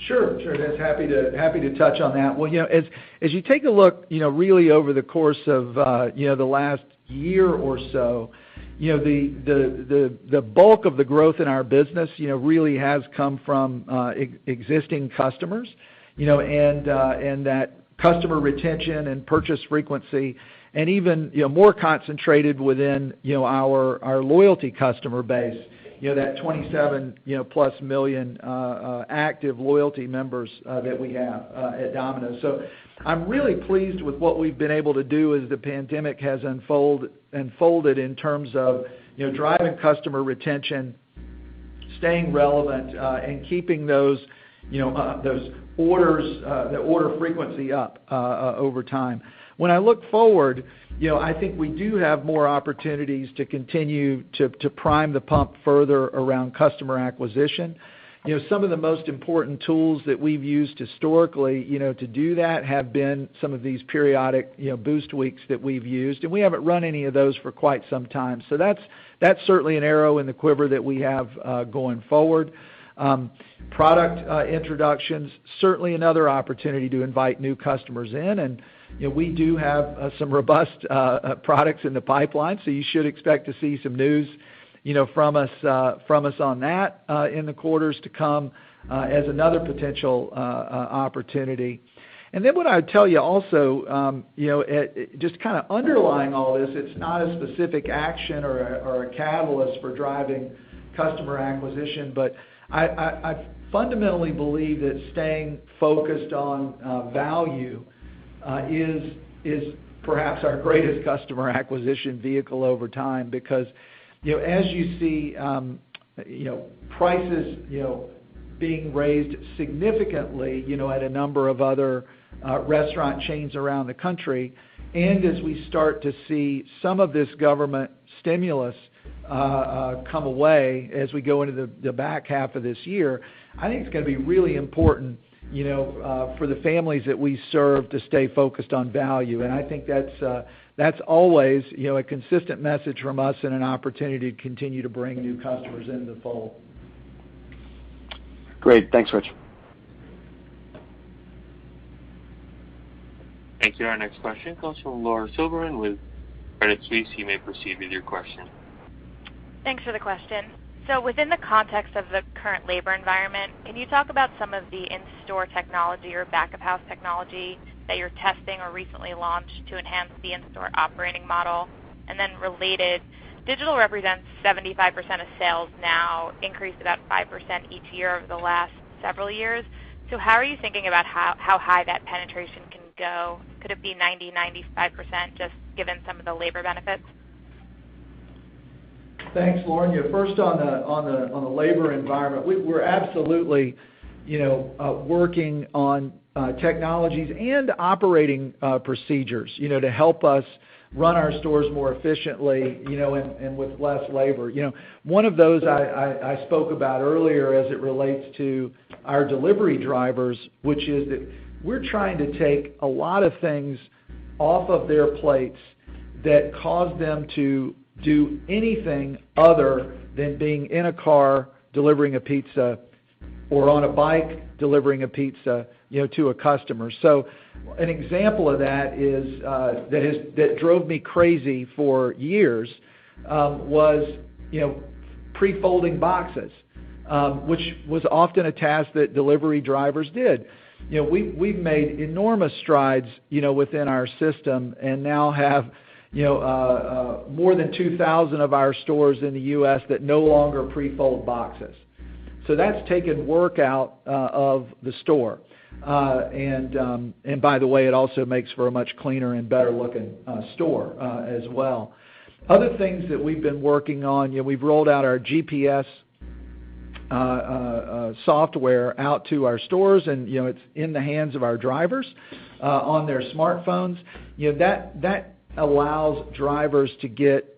Sure, Dennis. Happy to touch on that. Well, as you take a look really over the course of the last year or so, the bulk of the growth in our business really has come from existing customers. That customer retention and purchase frequency, and even more concentrated within our loyalty customer base, that 27+ million active loyalty members that we have at Domino's. I'm really pleased with what we've been able to do as the pandemic has unfolded in terms of driving customer retention, staying relevant, and keeping those order frequency up over time. When I look forward, I think we do have more opportunities to continue to prime the pump further around customer acquisition. Some of the most important tools that we've used historically to do that have been some of these periodic Boost Weeks that we've used. We haven't run any of those for quite some time. That's certainly an arrow in the quiver that we have going forward. Product introductions, certainly another opportunity to invite new customers in, and we do have some robust products in the pipeline, so you should expect to see some news from us on that in the quarters to come as another potential opportunity. What I would tell you also, just kind of underlying all this, it's not a specific action or a catalyst for driving customer acquisition, but I fundamentally believe that staying focused on value is perhaps our greatest customer acquisition vehicle over time. Because as you see prices being raised significantly at a number of other restaurant chains around the country, and as we start to see some of this government stimulus come away as we go into the back half of this year, I think it's going to be really important for the families that we serve to stay focused on value. I think that's always a consistent message from us and an opportunity to continue to bring new customers into the fold. Great. Thanks, Ritch. Thank you. Our next question comes from Lauren Silberman with Credit Suisse. You may proceed with your question. Thanks for the question. Within the context of the current labor environment, can you talk about some of the in-store technology or back-of-house technology that you're testing or recently launched to enhance the in-store operating model? Related, digital represents 75% of sales now, increased about 5% each year over the last several years. How are you thinking about how high that penetration can go? Could it be 90%, 95%, just given some of the labor benefits? Thanks, Lauren. First on the labor environment, we're absolutely working on technologies and operating procedures to help us run our stores more efficiently and with less labor. One of those I spoke about earlier as it relates to our delivery drivers, which is that we're trying to take a lot of things off of their plates that cause them to do anything other than being in a car delivering a pizza, or on a bike delivering a pizza to a customer. An example of that that drove me crazy for years was pre-folding boxes, which was often a task that delivery drivers did. We've made enormous strides within our system and now have more than 2,000 of our stores in the U.S. that no longer pre-fold boxes. That's taken work out of the store. By the way, it also makes for a much cleaner and better-looking store as well. Other things that we've been working on, we've rolled out our GPS software out to our stores, and it's in the hands of our drivers on their smartphones. That allows drivers to get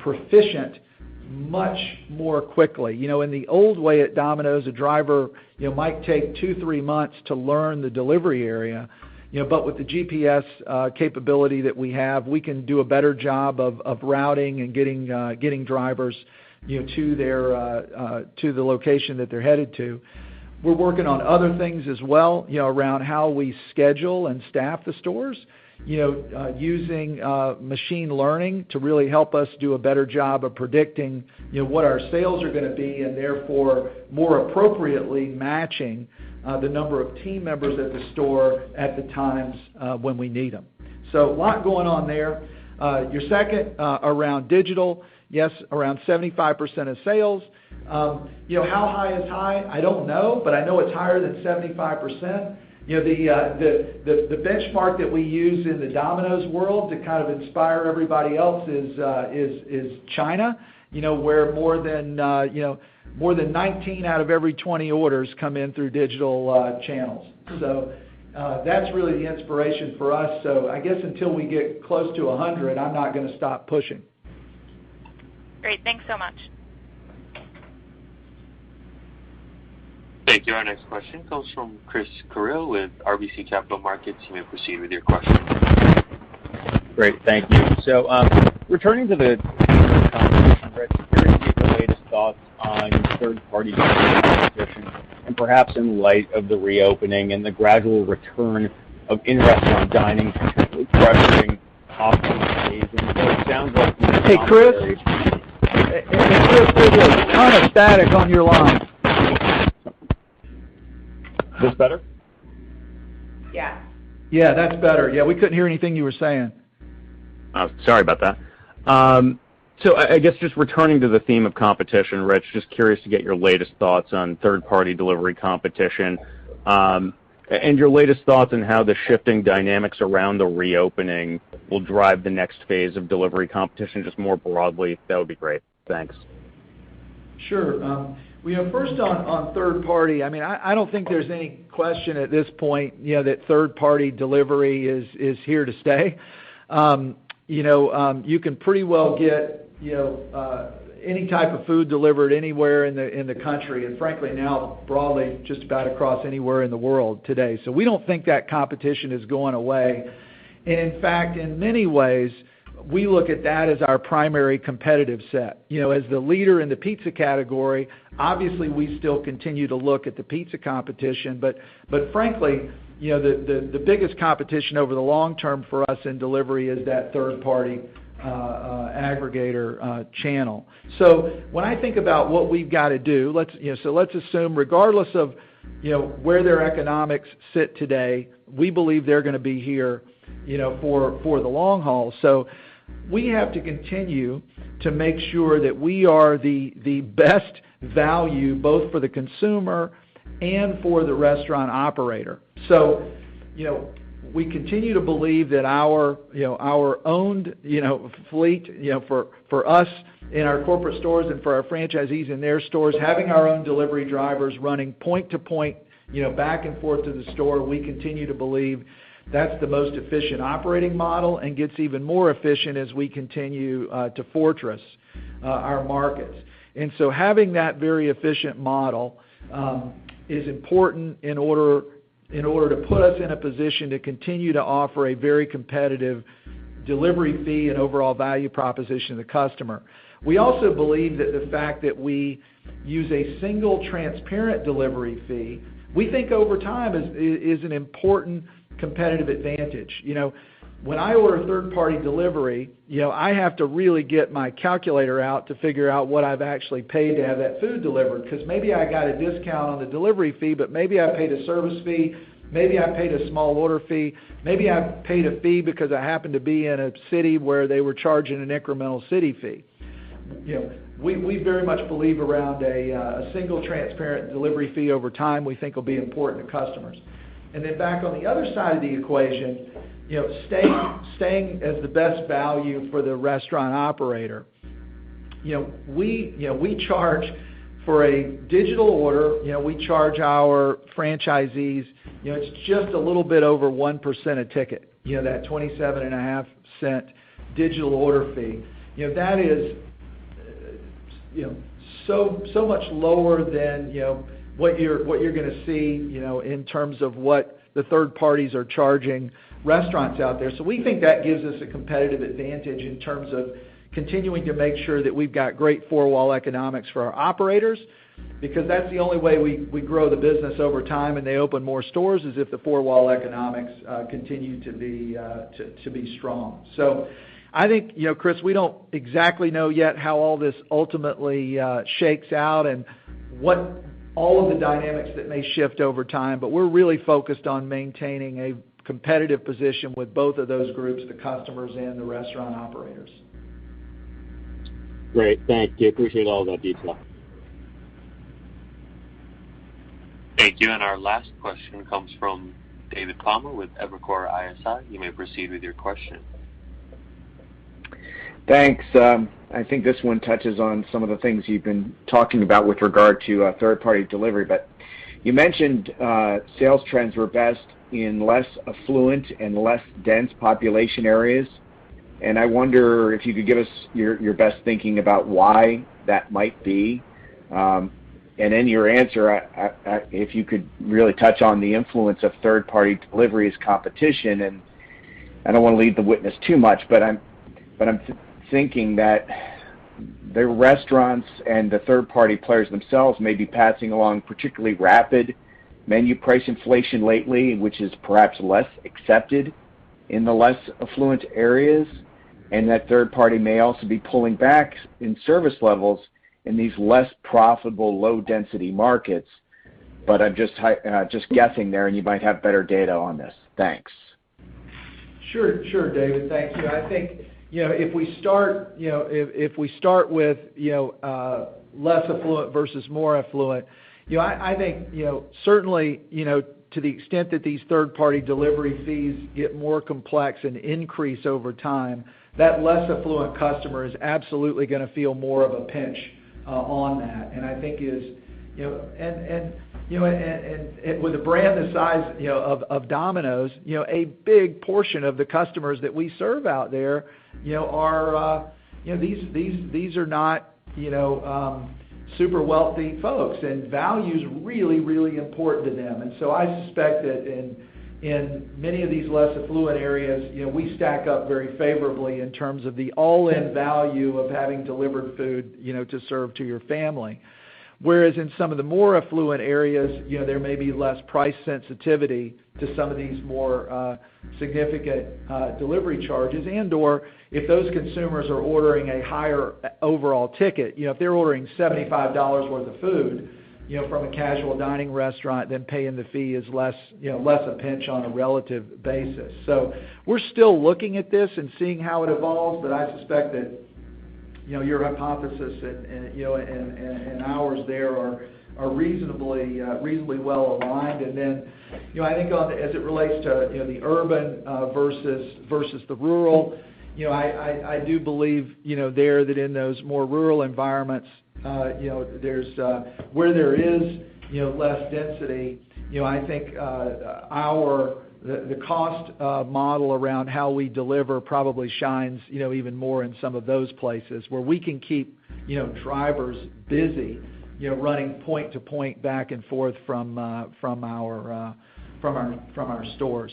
proficient much more quickly. In the old way at Domino's, a driver might take two, three months to learn the delivery area. With the GPS capability that we have, we can do a better job of routing and getting drivers to the location that they're headed to. We're working on other things as well around how we schedule and staff the stores. Using machine learning to really help us do a better job of predicting what our sales are going to be and therefore more appropriately matching the number of team members at the store at the times when we need them. A lot going on there. Your second, around digital. Yes, around 75% of sales. How high is high? I don't know, but I know it's higher than 75%. The benchmark that we use in the Domino's world to kind of inspire everybody else is China, where more than 19 out of every 20 orders come in through digital channels. That's really the inspiration for us. I guess until we get close to 100, I'm not going to stop pushing. Great. Thanks so much. Thank you. Our next question comes from Chris Carril with RBC Capital Markets. You may proceed with your question. Great. Thank you. Returning to the conversation, Ritch, curious to get your latest thoughts on third-party delivery competition and perhaps in light of the reopening and the gradual return of in-restaurant dining pressuring off-premise pacing. Hey, Chris. Chris, there's a ton of static on your line. Is this better? Yeah. Yeah, that's better. Yeah, we couldn't hear anything you were saying. Oh, sorry about that. I guess just returning to the theme of competition, Ritch, just curious to get your latest thoughts on third-party delivery competition. Your latest thoughts on how the shifting dynamics around the reopening will drive the next phase of delivery competition just more broadly, that would be great. Thanks. Sure. First on third-party, I don't think there's any question at this point that third-party delivery is here to stay. You can pretty well get any type of food delivered anywhere in the country, and frankly now, broadly, just about across anywhere in the world today. We don't think that competition is going away. In fact, in many ways, we look at that as our primary competitive set. As the leader in the pizza category, obviously we still continue to look at the pizza competition, but frankly, the biggest competition over the long term for us in delivery is that third-party aggregator channel. When I think about what we've got to do, let's assume regardless of where their economics sit today, we believe they're going to be here for the long haul. We have to continue to make sure that we are the best value, both for the consumer and for the restaurant operator. We continue to believe that our owned fleet for us in our corporate stores and for our franchisees in their stores, having our own delivery drivers running point to point, back and forth to the store, we continue to believe that's the most efficient operating model and gets even more efficient as we continue to fortress our markets. Having that very efficient model is important in order to put us in a position to continue to offer a very competitive delivery fee and overall value proposition to the customer. We also believe that the fact that we use a single transparent delivery fee, we think over time, is an important competitive advantage. When I order a third-party delivery, I have to really get my calculator out to figure out what I've actually paid to have that food delivered, because maybe I got a discount on the delivery fee, but maybe I paid a service fee, maybe I paid a small order fee. Maybe I paid a fee because I happened to be in a city where they were charging an incremental city fee. We very much believe around a single transparent delivery fee over time, we think will be important to customers. Back on the other side of the equation, staying as the best value for the restaurant operator. For a digital order, we charge our franchisees, it's just a little bit over 1% a ticket. That $0.275 digital order fee. That is so much lower than what you're going to see in terms of what the third parties are charging restaurants out there. We think that gives us a competitive advantage in terms of continuing to make sure that we've got great four-wall economics for our operators, because that's the only way we grow the business over time and they open more stores, is if the four-wall economics continue to be strong. I think, Chris, we don't exactly know yet how all this ultimately shakes out and what all of the dynamics that may shift over time, but we're really focused on maintaining a competitive position with both of those groups, the customers and the restaurant operators. Great. Thank you. Appreciate all that detail. Thank you. Our last question comes from David Palmer with Evercore ISI. You may proceed with your question. Thanks. I think this one touches on some of the things you've been talking about with regard to third-party delivery, but you mentioned sales trends were best in less affluent and less dense population areas, and I wonder if you could give us your best thinking about why that might be. In your answer, if you could really touch on the influence of third-party delivery as competition, and I don't want to lead the witness too much, but I'm thinking that the restaurants and the third-party players themselves may be passing along particularly rapid menu price inflation lately, which is perhaps less accepted in the less affluent areas, and that third party may also be pulling back in service levels in these less profitable, low density markets. I'm just guessing there, and you might have better data on this. Thanks. Sure, David. Thank you. I think, if we start with less affluent versus more affluent, I think certainly, to the extent that these third-party delivery fees get more complex and increase over time, that less affluent customer is absolutely going to feel more of a pinch on that. With a brand the size of Domino's, a big portion of the customers that we serve out there, these are not super wealthy folks, and value's really, really important to them. I suspect that in many of these less affluent areas, we stack up very favorably in terms of the all-in value of having delivered food to serve to your family. Whereas in some of the more affluent areas, there may be less price sensitivity to some of these more significant delivery charges and/or if those consumers are ordering a higher overall ticket. If they're ordering $75 worth of food from a casual dining restaurant, then paying the fee is less a pinch on a relative basis. We're still looking at this and seeing how it evolves, but I suspect that your hypothesis and ours there are reasonably well aligned. Then, I think as it relates to the urban versus the rural, I do believe there that in those more rural environments, where there is less density, I think the cost model around how we deliver probably shines even more in some of those places where we can keep drivers busy, running point to point back and forth from our stores.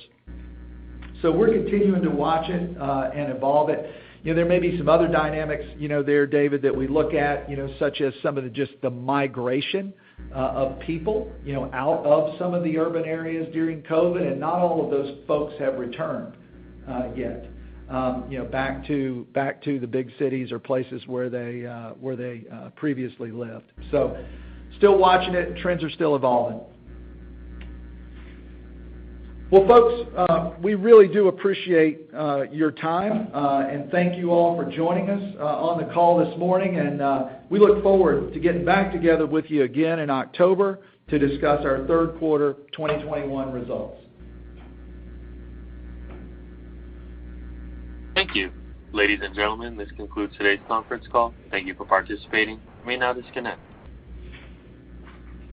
We're continuing to watch it, and evolve it. There may be some other dynamics there, David, that we look at, such as some of the migration of people out of some of the urban areas during COVID-19, and not all of those folks have returned yet back to the big cities or places where they previously lived. Still watching it, trends are still evolving. Well, folks, we really do appreciate your time, and thank you all for joining us on the call this morning, and, we look forward to getting back together with you again in October to discuss our third quarter 2021 results. Thank you. Ladies and gentlemen, this concludes today's conference call. Thank you for participating. You may now disconnect.